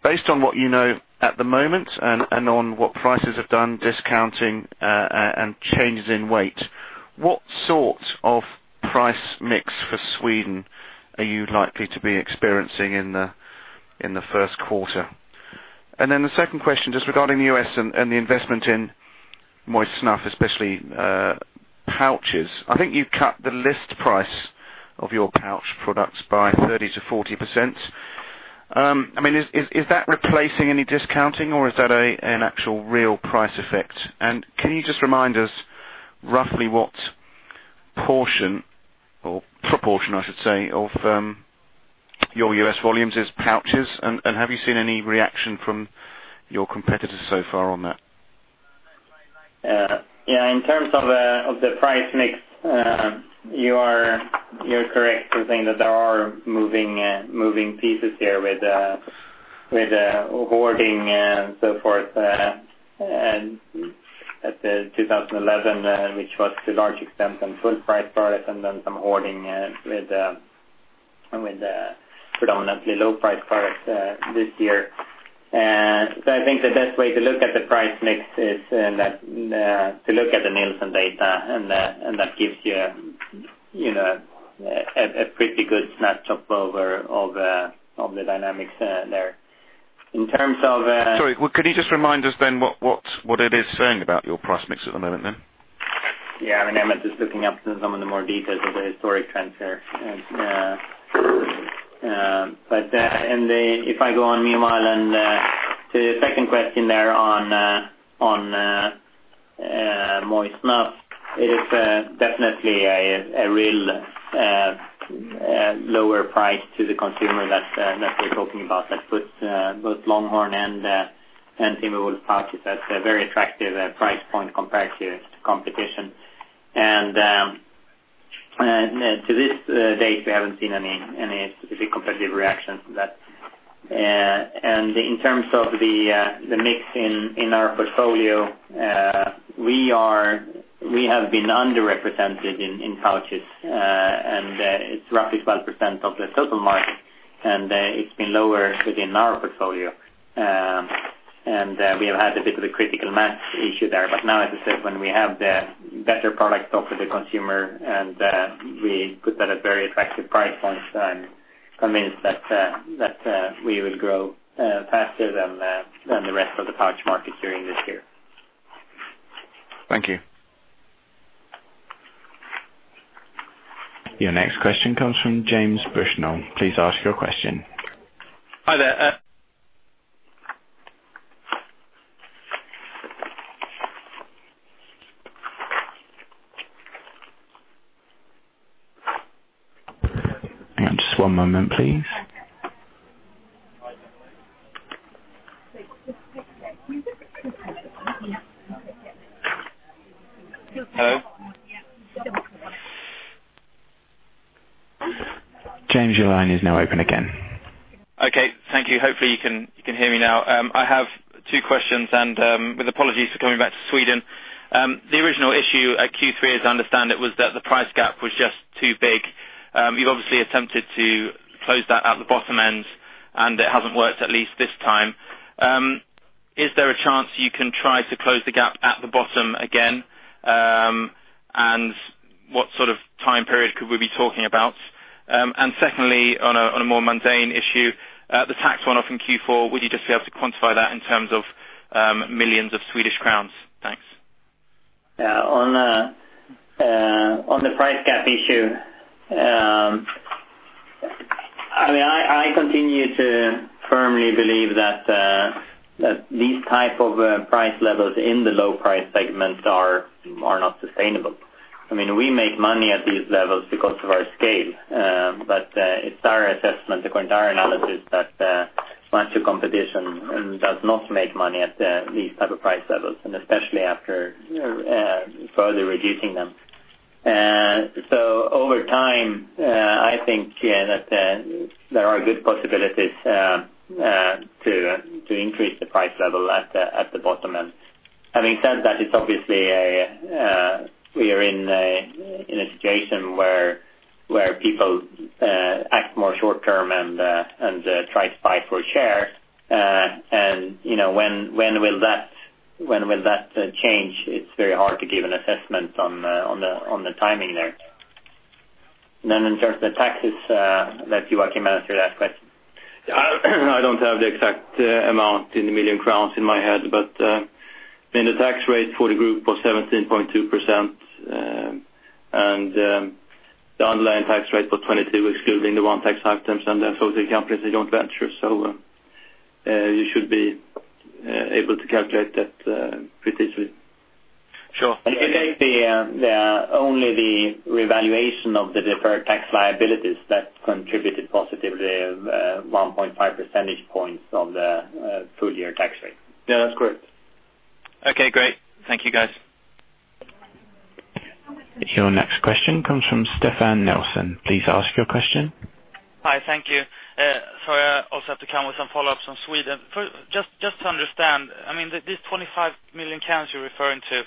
Based on what you know at the moment and on what prices have done, discounting, and changes in weight, what sort of price mix for Sweden are you likely to be experiencing in the first quarter? The second question, just regarding the U.S. and the investment in moist snuff, especially pouches. I think you cut the list price of your pouch products by 30%-40%. Is that replacing any discounting, or is that an actual real price effect? Can you just remind us roughly what portion or proportion, I should say, of your U.S. volumes is pouches? Have you seen any reaction from your competitors so far on that? Yeah. In terms of the price mix, you're correct in saying that there are moving pieces here with hoarding and so forth. At the 2011, which was to a large extent some full price products and then some hoarding with predominantly low price products this year. I think the best way to look at the price mix is to look at the Nielsen data, and that gives you a pretty good snapshot of the dynamics there. In terms of- Sorry, could you just remind us then what it is saying about your price mix at the moment then? I mean, I'm just looking up some of the more details of the historic trends here. If I go on, meanwhile, to the second question there on moist snuff, it is definitely a real lower price to the consumer that we're talking about that puts both Longhorn and Timber Wolf pouches at a very attractive price point compared to competition. To this date, we haven't seen any specific competitive reactions to that. In terms of the mix in our portfolio, we have been underrepresented in pouches, and it's roughly 12% of the total market, and it's been lower within our portfolio. We have had a bit of a critical mass issue there. Now, as I said, when we have the better product offered to consumer and we put that at very attractive price points, I'm convinced that we will grow faster than the rest of the pouch market during this year. Thank you. Your next question comes from James Bushnell. Please ask your question. Hi there. Hang on just one moment, please. Hello? James, your line is now open again. Okay. Thank you. Hopefully, you can hear me now. I have two questions, with apologies for coming back to Sweden. The original issue at Q3, as I understand it, was that the price gap was just too big. You've obviously attempted to close that at the bottom end, it hasn't worked, at least this time. Is there a chance you can try to close the gap at the bottom again? What sort of time period could we be talking about? Secondly, on a more mundane issue, the tax run-off in Q4, would you just be able to quantify that in terms of millions of Swedish kronor? Thanks. On the price gap issue, I continue to firmly believe that these type of price levels in the low price segments are not sustainable. We make money at these levels because of our scale. It's our assessment, according to our analysis, that much of competition does not make money at these type of price levels, and especially after further reducing them. Over time, I think that there are good possibilities to increase the price level at the bottom end. Having said that, it's obviously we are in a situation where people act more short-term and try to fight for a share. When will that change? It's very hard to give an assessment on the timing there. In terms of the taxes, let Joakim answer that question. I don't have the exact amount in the million SEK in my head, the tax rate for the group was 17.2%, and the underlying tax rate was 22%, excluding the one-tax items and the associated companies and joint ventures. You should be able to calculate that precisely. Sure. If you take only the revaluation of the deferred tax liabilities that contributed positively of 1.5 percentage points of the full-year tax rate. Yeah, that's correct. Okay, great. Thank you, guys. Your next question comes from Stefan Nelson. Please ask your question. Hi. Thank you. I also have to come with some follow-ups on Sweden. First, just to understand, these 25 million cans you're referring to,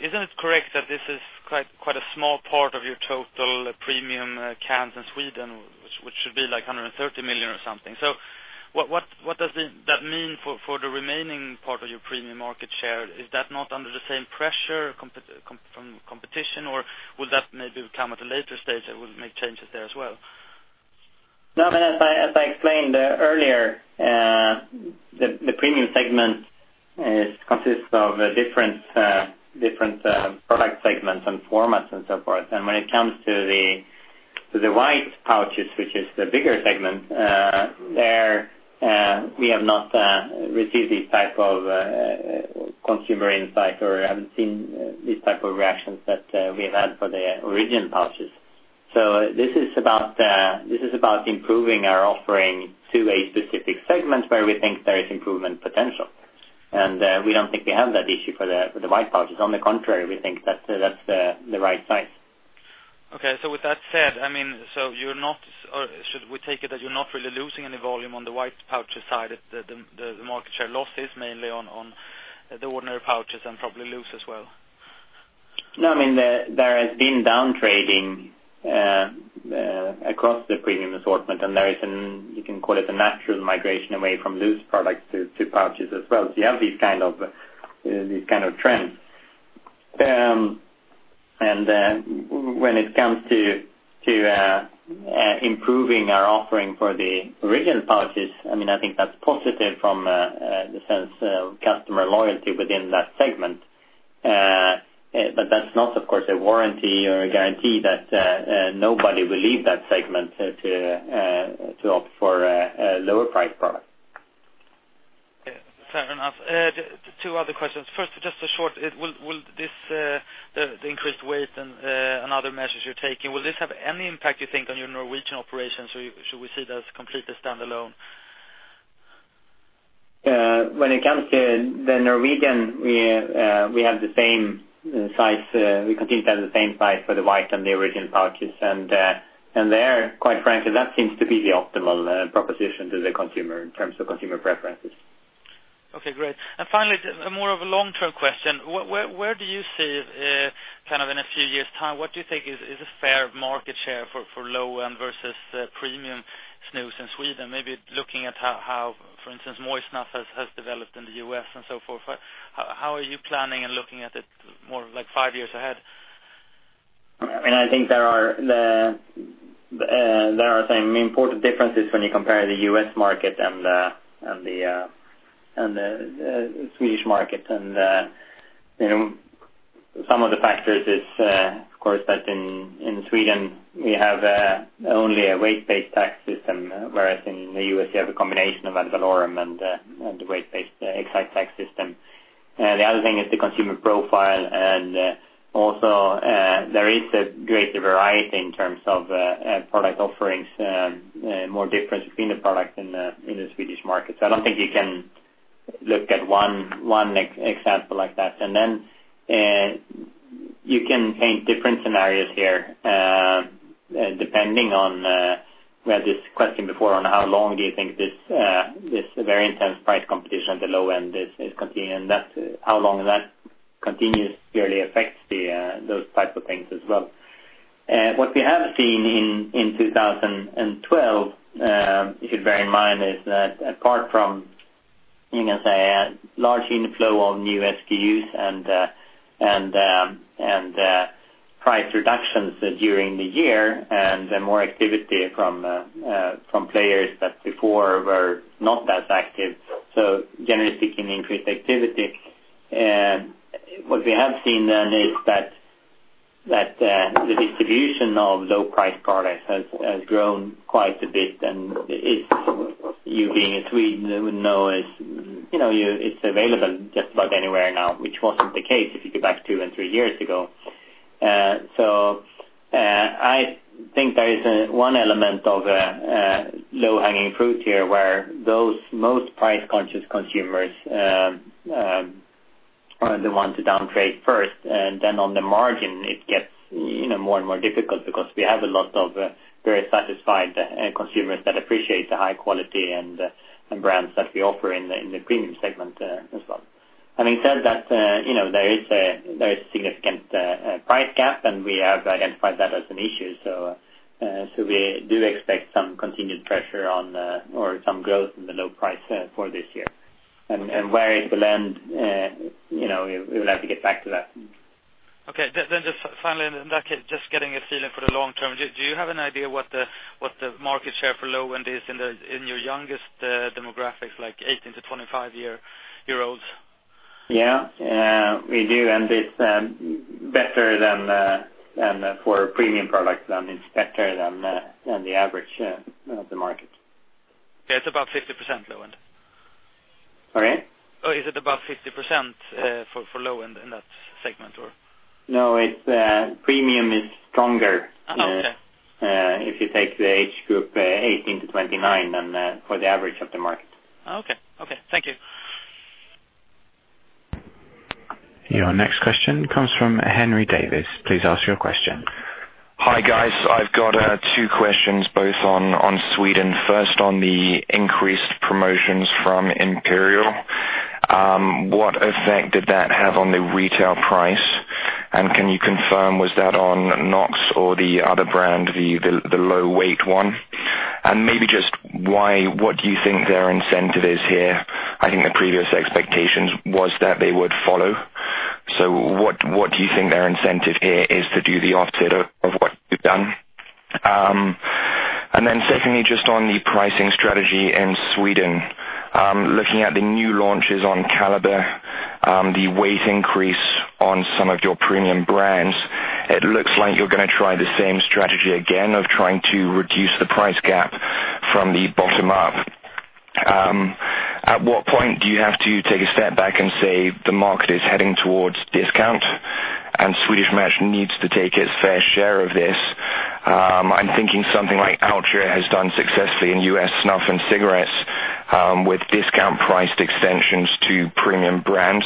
isn't it correct that this is quite a small part of your total premium cans in Sweden, which should be like 130 million or something? What does that mean for the remaining part of your premium market share? Is that not under the same pressure from competition, or will that maybe come at a later stage that will make changes there as well? No, as I explained earlier, the premium segment consists of different product segments and formats and so forth. When it comes to the white pouches, which is the bigger segment, there we have not received this type of consumer insight or haven't seen these type of reactions that we have had for the origin pouches. This is about improving our offering to a specific segment where we think there is improvement potential. We don't think we have that issue for the white pouches. On the contrary, we think that's the right size. Okay. With that said, should we take it that you're not really losing any volume on the white pouches side? The market share loss is mainly on the ordinary pouches and probably loose as well. No, there has been downtrading across the premium assortment, there is you can call it a natural migration away from loose products to pouches as well. You have these kind of trends. When it comes to improving our offering for the original pouches, I think that's positive from the sense of customer loyalty within that segment. That's not, of course, a warranty or a guarantee that nobody will leave that segment to opt for a lower price product. Okay. Fair enough. Two other questions. First, will the increased weight and other measures you're taking, will this have any impact, you think, on your Norwegian operations, or should we see it as completely standalone? When it comes to the Norwegian, we continue to have the same size for the white and the original pouches. There, quite frankly, that seems to be the optimal proposition to the consumer in terms of consumer preferences. Okay, great. Finally, more of a long-term question. Where do you see, in a few years' time, what do you think is a fair market share for low-end versus premium snus in Sweden? Maybe looking at how, for instance, moist snuff has developed in the U.S. and so forth. How are you planning and looking at it more like five years ahead? I think there are some important differences when you compare the U.S. market and the Swedish market. Some of the factors is, of course, that in Sweden we have only a weight-based tax system, whereas in the U.S. you have a combination of ad valorem and the weight-based excise tax system. The other thing is the consumer profile, and also there is a greater variety in terms of product offerings, more difference between the product in the Swedish market. I don't think you can look at one example like that. Then you can paint different scenarios here, depending on, we had this question before on how long do you think this very intense price competition at the low end is continuing, how long that continues clearly affects those types of things as well. What we have seen in 2012, you should bear in mind, is that apart from, you can say, a large inflow of new SKUs and price reductions during the year and more activity from players that before were not that active. Generally speaking, increased activity. What we have seen then is that the distribution of low price products has grown quite a bit, and you being a Swede would know it's available just about anywhere now, which wasn't the case if you go back two and three years ago. I think there is one element of low-hanging fruit here, where those most price-conscious consumers are the ones to downtrade first, and then on the margin it gets more and more difficult because we have a lot of very satisfied consumers that appreciate the high quality and brands that we offer in the premium segment as well. Having said that there is a very significant price gap, we have identified that as an issue. We do expect some continued pressure or some growth in the low price for this year. Where it will end we will have to get back to that. Okay, then just finally, just getting a feeling for the long term. Do you have an idea what the market share for low end is in your youngest demographics, like 18 to 25-year-olds? Yeah. We do. For premium products, it's better than the average of the market. It's about 50% low end? Sorry? Is it above 50% for low end in that segment or? No, premium is stronger. Okay. If you take the age group 18-29 for the average of the market. Okay. Thank you. Your next question comes from Henry Davis. Please ask your question. Hi, guys. I've got two questions both on Sweden. First, on the increased promotions from Imperial. What effect did that have on the retail price? Can you confirm was that on Knox or the other brand, the low weight one? Maybe just what do you think their incentive is here? I think the previous expectations was that they would follow. What do you think their incentive here is to do the opposite of what you've done? Secondly, just on the pricing strategy in Sweden. Looking at the new launches on Kaliber, the weight increase on some of your premium brands, it looks like you're going to try the same strategy again of trying to reduce the price gap from the bottom up. At what point do you have to take a step back and say the market is heading towards discount and Swedish Match needs to take its fair share of this? I'm thinking something like Altria has done successfully in U.S. snuff and cigarettes, with discount priced extensions to premium brands.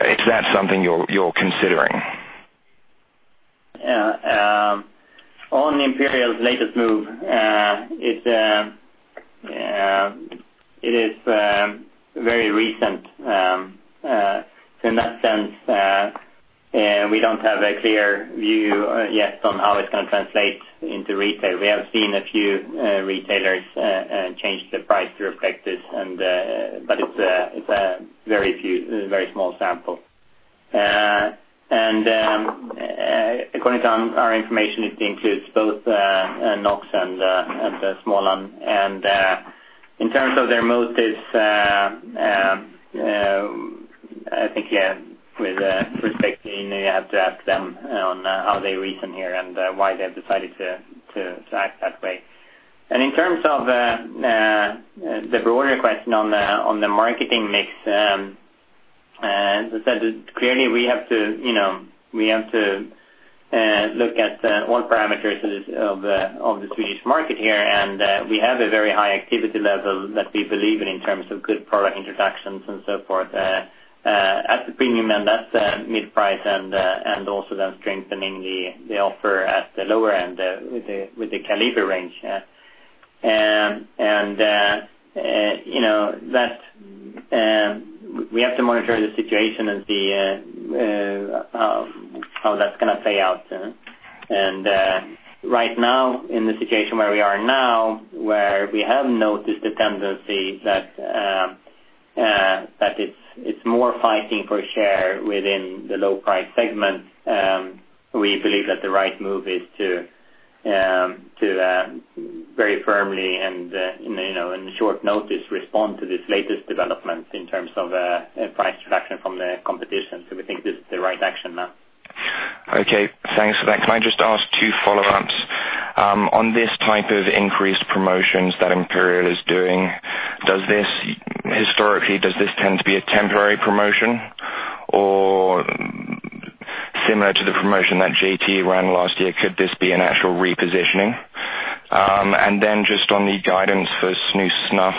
Is that something you're considering? On Imperial's latest move, it is very recent. In that sense, we don't have a clear view yet on how it's going to translate into retail. We have seen a few retailers change the price to reflect this, but it's a very small sample. According to our information, it includes both Knox and the Smålands. In terms of their motives, I think with respect, you have to ask them on how they reason here and why they've decided to act that way. In terms of the broader question on the marketing mix, as I said, clearly we have to look at all parameters of the Swedish market here, and we have a very high activity level that we believe in in terms of good product introductions and so forth at the premium and at mid-price end, and also then strengthening the offer at the lower end with the Kaliber range. We have to monitor the situation and see how that's going to play out. Right now, in the situation where we are now, where we have noticed the tendency that it's more fighting for share within the low price segment, we believe that the right move is to very firmly and in short notice, respond to this latest development in terms of price reduction from the competition. We think this is the right action now. Thanks for that. Can I just ask two follow-ups? On this type of increased promotions that Imperial is doing, historically, does this tend to be a temporary promotion? Or similar to the promotion that JT ran last year, could this be an actual repositioning? Then just on the guidance for snus snuff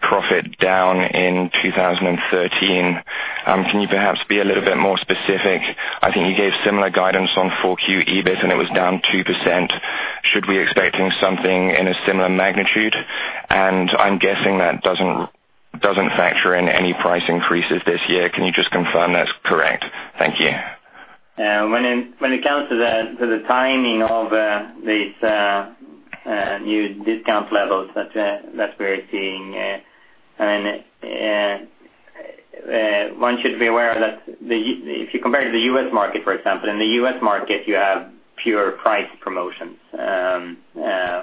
profit down in 2013, can you perhaps be a little bit more specific? I think you gave similar guidance on 4Q EBIT, and it was down 2%. Should we be expecting something in a similar magnitude? I'm guessing that doesn't factor in any price increases this year. Can you just confirm that's correct? Thank you. When it comes to the timing of these new discount levels that we're seeing, one should be aware that if you compare to the U.S. market, for example, in the U.S. market, you have pure price promotions,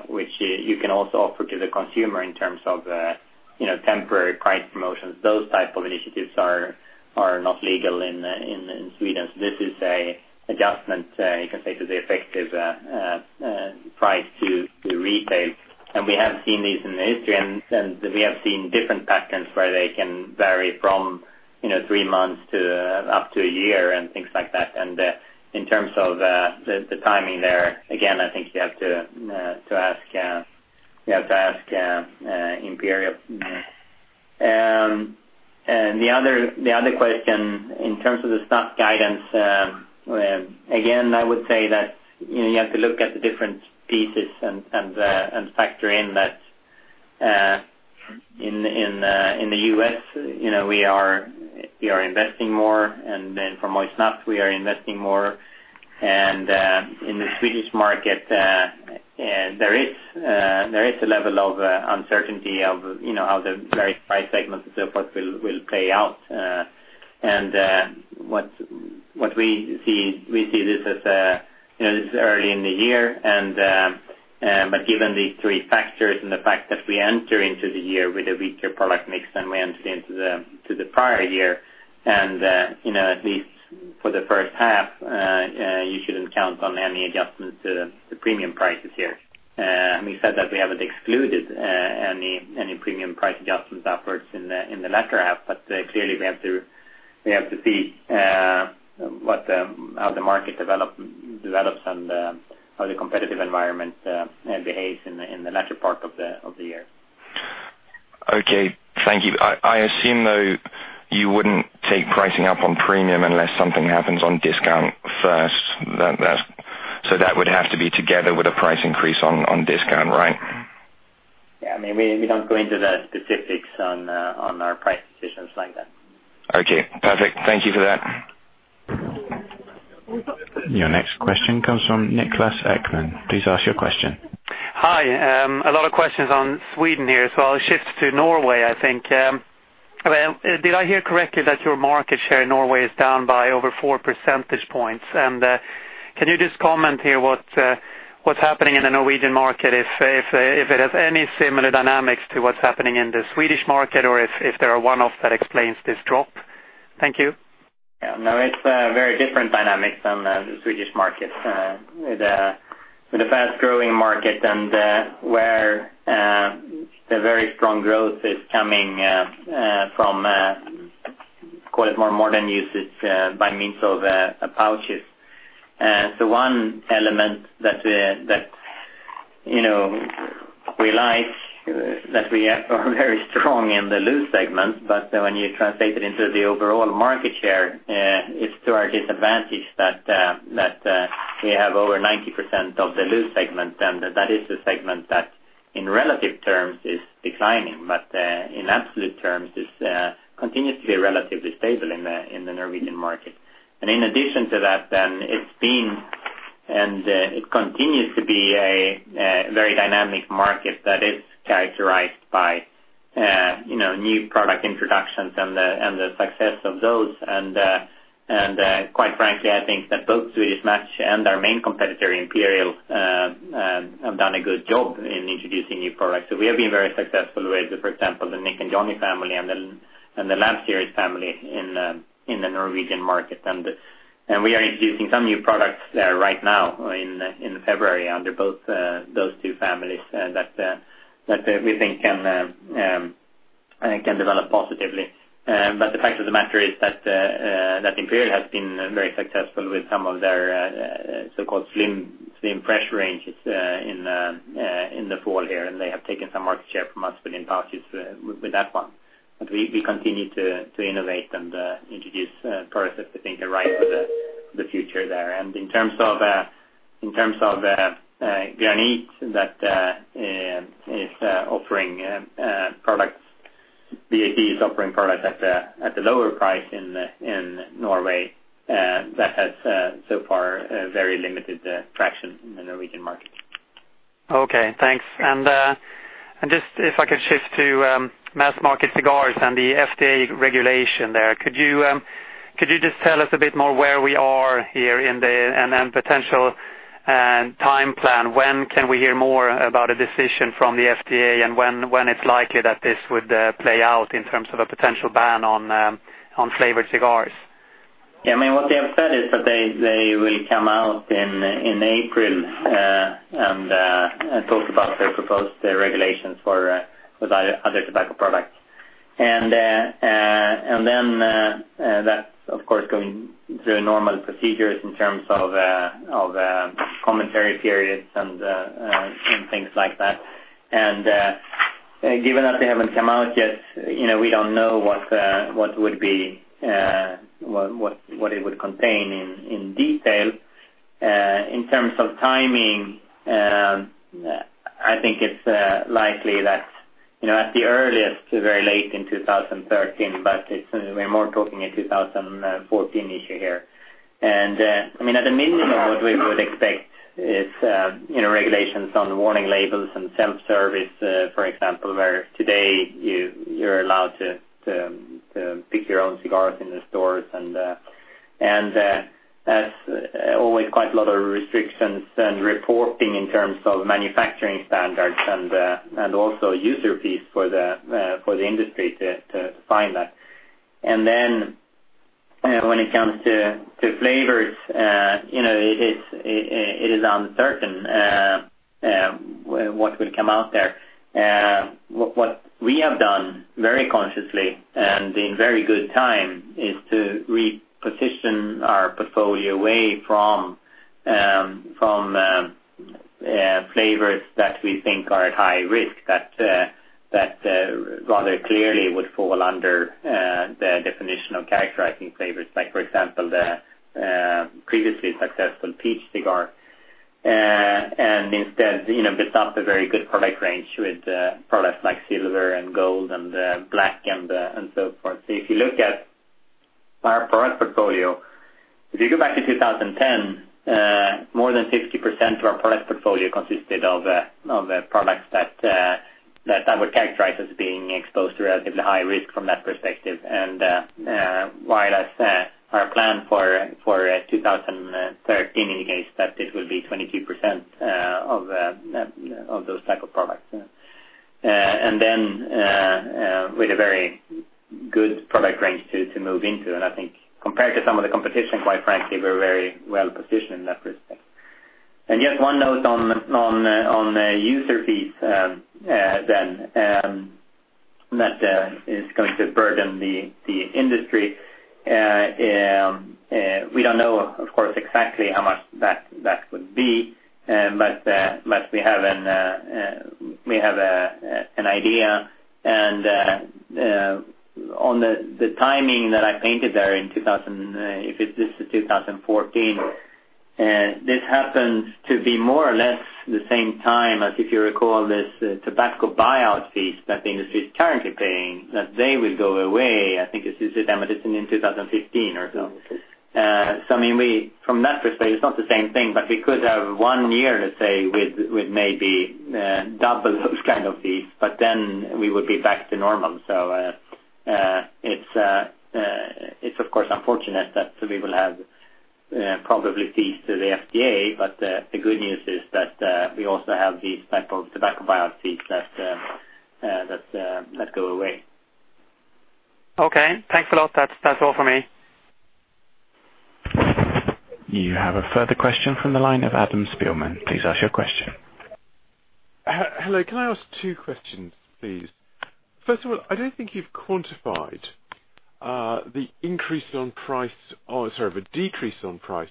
which you can also offer to the consumer in terms of temporary price promotions. Those type of initiatives are not legal in Sweden. This is an adjustment, you can say, to the effective price to retail. We have seen these in history, and we have seen different patterns where they can vary from three months up to a year and things like that. In terms of the timing there, again, I think you have to ask Imperial. The other question in terms of the snuff guidance, again, I would say that you have to look at the different pieces and factor in that in the U.S. we are investing more, then for moist snuff we are investing more. In the Swedish market, there is a level of uncertainty of how the various price segments and so forth will play out. What we see, we see this as early in the year, but given these three factors and the fact that we enter into the year with a weaker product mix than we entered into the prior year, at least for the first half, you shouldn't count on any adjustments to the premium prices here. We said that we haven't excluded any premium price adjustments upwards in the latter half, clearly we have to see how the market develops and how the competitive environment behaves in the latter part of the year. Okay, thank you. I assume, though, you wouldn't take pricing up on premium unless something happens on discount first. That would have to be together with a price increase on discount, right? Yeah. We don't go into the specifics on our price decisions like that. Okay, perfect. Thank you for that. Your next question comes from Niklas Ekman. Please ask your question. Hi. A lot of questions on Sweden here. I'll shift to Norway, I think. Did I hear correctly that your market share in Norway is down by over four percentage points? Can you just comment here what's happening in the Norwegian market, if it has any similar dynamics to what's happening in the Swedish market, or if there are one-offs that explains this drop? Thank you. Yeah, no, it's a very different dynamic than the Swedish market. With a fast-growing market and where the very strong growth is coming from, call it more modern usage by means of pouches. The one element that we like, that we are very strong in the loose segment, but when you translate it into the overall market share, it's to our disadvantage that we have over 90% of the loose segment, and that is the segment that, in relative terms, is declining but, in absolute terms, continues to be relatively stable in the Norwegian market. In addition to that, then it's been and it continues to be a very dynamic market that is characterized by new product introductions and the success of those. Quite frankly, I think that both Swedish Match and our main competitor, Imperial, have done a good job in introducing new products. We have been very successful with, for example, the Nick and Johnny family and The Lab Series family in the Norwegian market. We are introducing some new products there right now in February under both those two families that we think can develop positively. The fact of the matter is that Imperial has been very successful with some of their so-called Slim Fresh ranges in the fall here, and they have taken some market share from us within pouches with that one. We continue to innovate and introduce products that we think are right for the future there. In terms of Granit that is offering products at a lower price in Norway, that has so far very limited traction in the Norwegian market. Okay, thanks. Just if I could shift to mass-market cigars and the FDA regulation there. Could you just tell us a bit more where we are here and then potential time plan? When can we hear more about a decision from the FDA, and when it's likely that this would play out in terms of a potential ban on flavored cigars? Yeah. What they have said is that they will come out in April and talk about their proposed regulations for other tobacco products. That's, of course, going through normal procedures in terms of commentary periods and things like that. Given that they haven't come out yet, we don't know what it would contain in detail. In terms of timing, I think it's likely that at the earliest, very late in 2013, but we're more talking a 2014 issue here. At the minimum, what we would expect is regulations on warning labels and self-service, for example, where today you're allowed to pick your own cigars in the stores. That's always quite a lot of restrictions and reporting in terms of manufacturing standards and also user fees for the industry to find that. When it comes to flavors, it is uncertain what will come out there. What we have done very consciously and in very good time is to reposition our portfolio away from flavors that we think are at high risk, that rather clearly would fall under the definition of characterizing flavors, like for example, the previously successful peach cigar. Instead, built up a very good product range with products like Silver and Gold and Black and so forth. If you look at our product portfolio, if you go back to 2010, more than 60% of our product portfolio consisted of products that I would characterize as being exposed to relatively high risk from that perspective. Whereas our plan for 2013 indicates that this will be 22% of those type of products. With a very good product range to move into, and I think compared to some of the competition, quite frankly, we're very well positioned in that respect. Just one note on the user fees then, that is going to burden the industry. We don't know, of course, exactly how much that would be, but we have an idea. On the timing that I painted there, if this is 2014, this happens to be more or less the same time as, if you recall, this tobacco buyout fees that the industry is currently paying, that they will go away. I think this is estimated in 2015 or so. I mean, from that perspective, it's not the same thing, but we could have one year, let's say, with maybe double those kind of fees, but then we would be back to normal. It's of course unfortunate that we will have probably fees to the FDA, but the good news is that we also have these type of tobacco buyout fees that go away. Okay. Thanks a lot. That is all from me. You have a further question from the line of Adam Spielman. Please ask your question. Hello. Can I ask two questions, please? First of all, I do not think you have quantified the increase on price. Oh, sorry, the decrease on price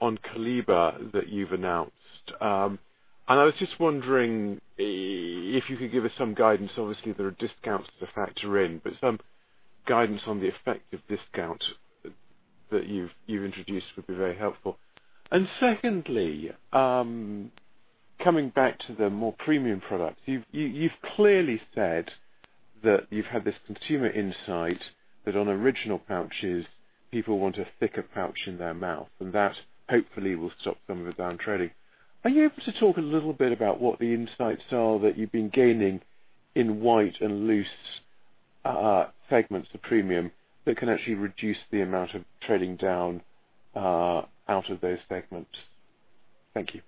on Kaliber that you have announced. I was just wondering if you could give us some guidance. Obviously, there are discounts to factor in, but some guidance on the effect of discount that you have introduced would be very helpful. Secondly, coming back to the more premium products, you have clearly said that you have had this consumer insight that on original pouches, people want a thicker pouch in their mouth, and that hopefully will stop some of the downtrending. Are you able to talk a little bit about what the insights are that you have been gaining in white and loose segments to premium, that can actually reduce the amount of trading down out of those segments? Thank you.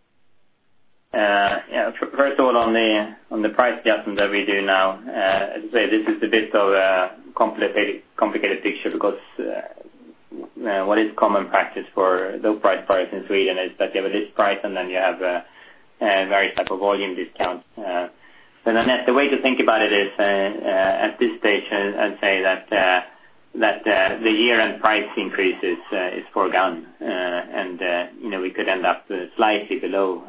Yeah. First of all, on the price gaps that we do now, as I say, this is a bit of a complicated picture because what is common practice for low price points in Sweden is that you have a list price, and then you have various type of volume discounts. The way to think about it is, at this stage, I would say that the year-end price increase is foregone. We could end up slightly below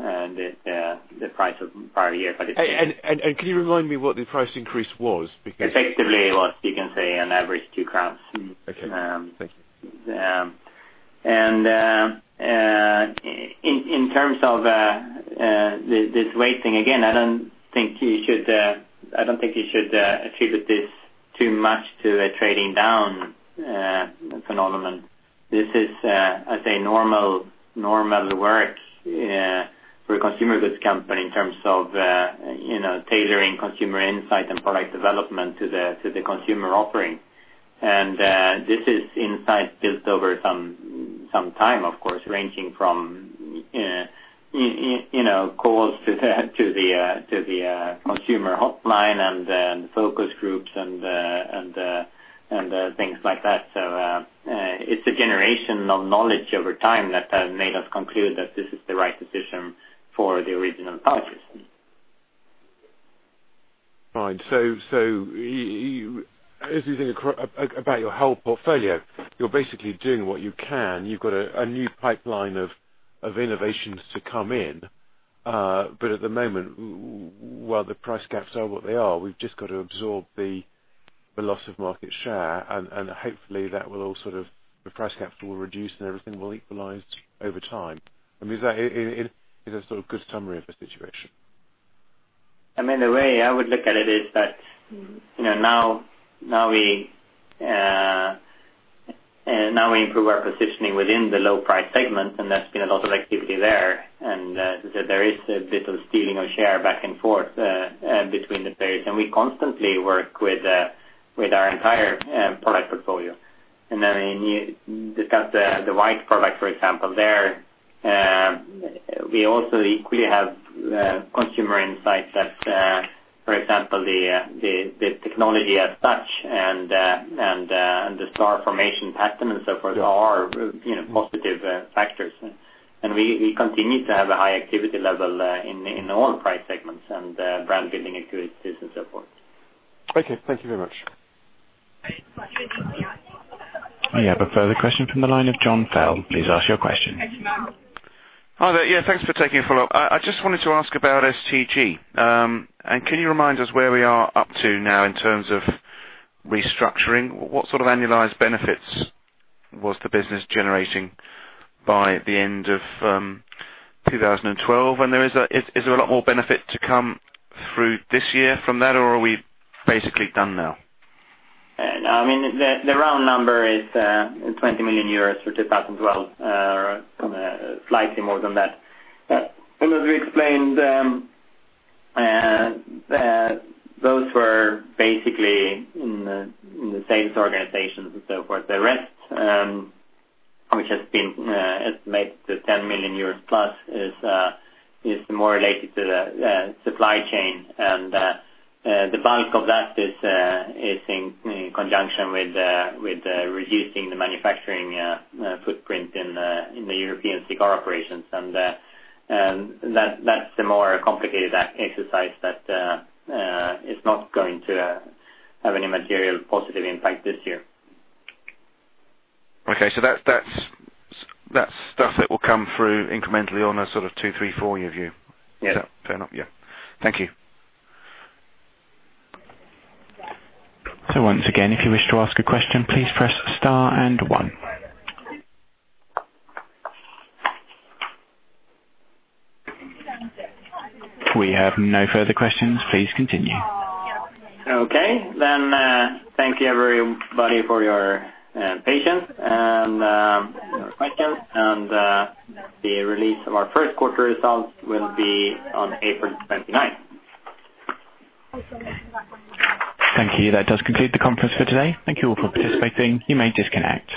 the price of prior year, but it Can you remind me what the price increase was? Effectively, it was, you can say, on average, SEK two. Okay. Thank you. In terms of this weight thing, again, I don't think you should attribute this too much to a trading down phenomenon. This is, I'd say, normal work for a consumer goods company in terms of tailoring consumer insight and product development to the consumer offering. This is insight built over some time, of course, ranging from calls to the consumer hotline and focus groups and things like that. It's a generation of knowledge over time that made us conclude that this is the right decision for the original pouches. Fine. If you think about your whole portfolio, you're basically doing what you can. You've got a new pipeline of innovations to come in. At the moment, while the price gaps are what they are, we've just got to absorb the loss of market share, and hopefully the price gaps will reduce, and everything will equalize over time. I mean, is that a sort of good summary of the situation? I mean, the way I would look at it is that now we improve our positioning within the low price segment, there's been a lot of activity there. There is a bit of stealing of share back and forth between the players. We constantly work with our entire product portfolio. When you discuss the white product, for example, there, we also equally have consumer insights. For example, the technology as such and the scar formation pattern and so forth are positive factors. We continue to have a high activity level in all price segments and brand building activities and so forth. Okay. Thank you very much. We have a further question from the line of John Fell. Please ask your question. Hi there. Thanks for taking the follow-up. I just wanted to ask about STG. Can you remind us where we are up to now in terms of restructuring? What sort of annualized benefits was the business generating by the end of 2012? Is there a lot more benefit to come through this year from that, or are we basically done now? No. I mean, the round number is SEK 20 million for 2012, or slightly more than that. As we explained, those were basically in the sales organizations and so forth. The rest, which has been estimated to 10 million plus, is more related to the supply chain. The bulk of that is in conjunction with reducing the manufacturing footprint in the European cigar operations. That's the more complicated exercise that is not going to have any material positive impact this year. Okay. That's stuff that will come through incrementally on a sort of two, three, four-year view? Yes. Fair enough. Thank you. Once again, if you wish to ask a question, please press star one. We have no further questions. Please continue. Okay. Thank you, everybody, for your patience and your questions. The release of our first quarter results will be on April 29th. Thank you. That does conclude the conference for today. Thank you all for participating. You may disconnect.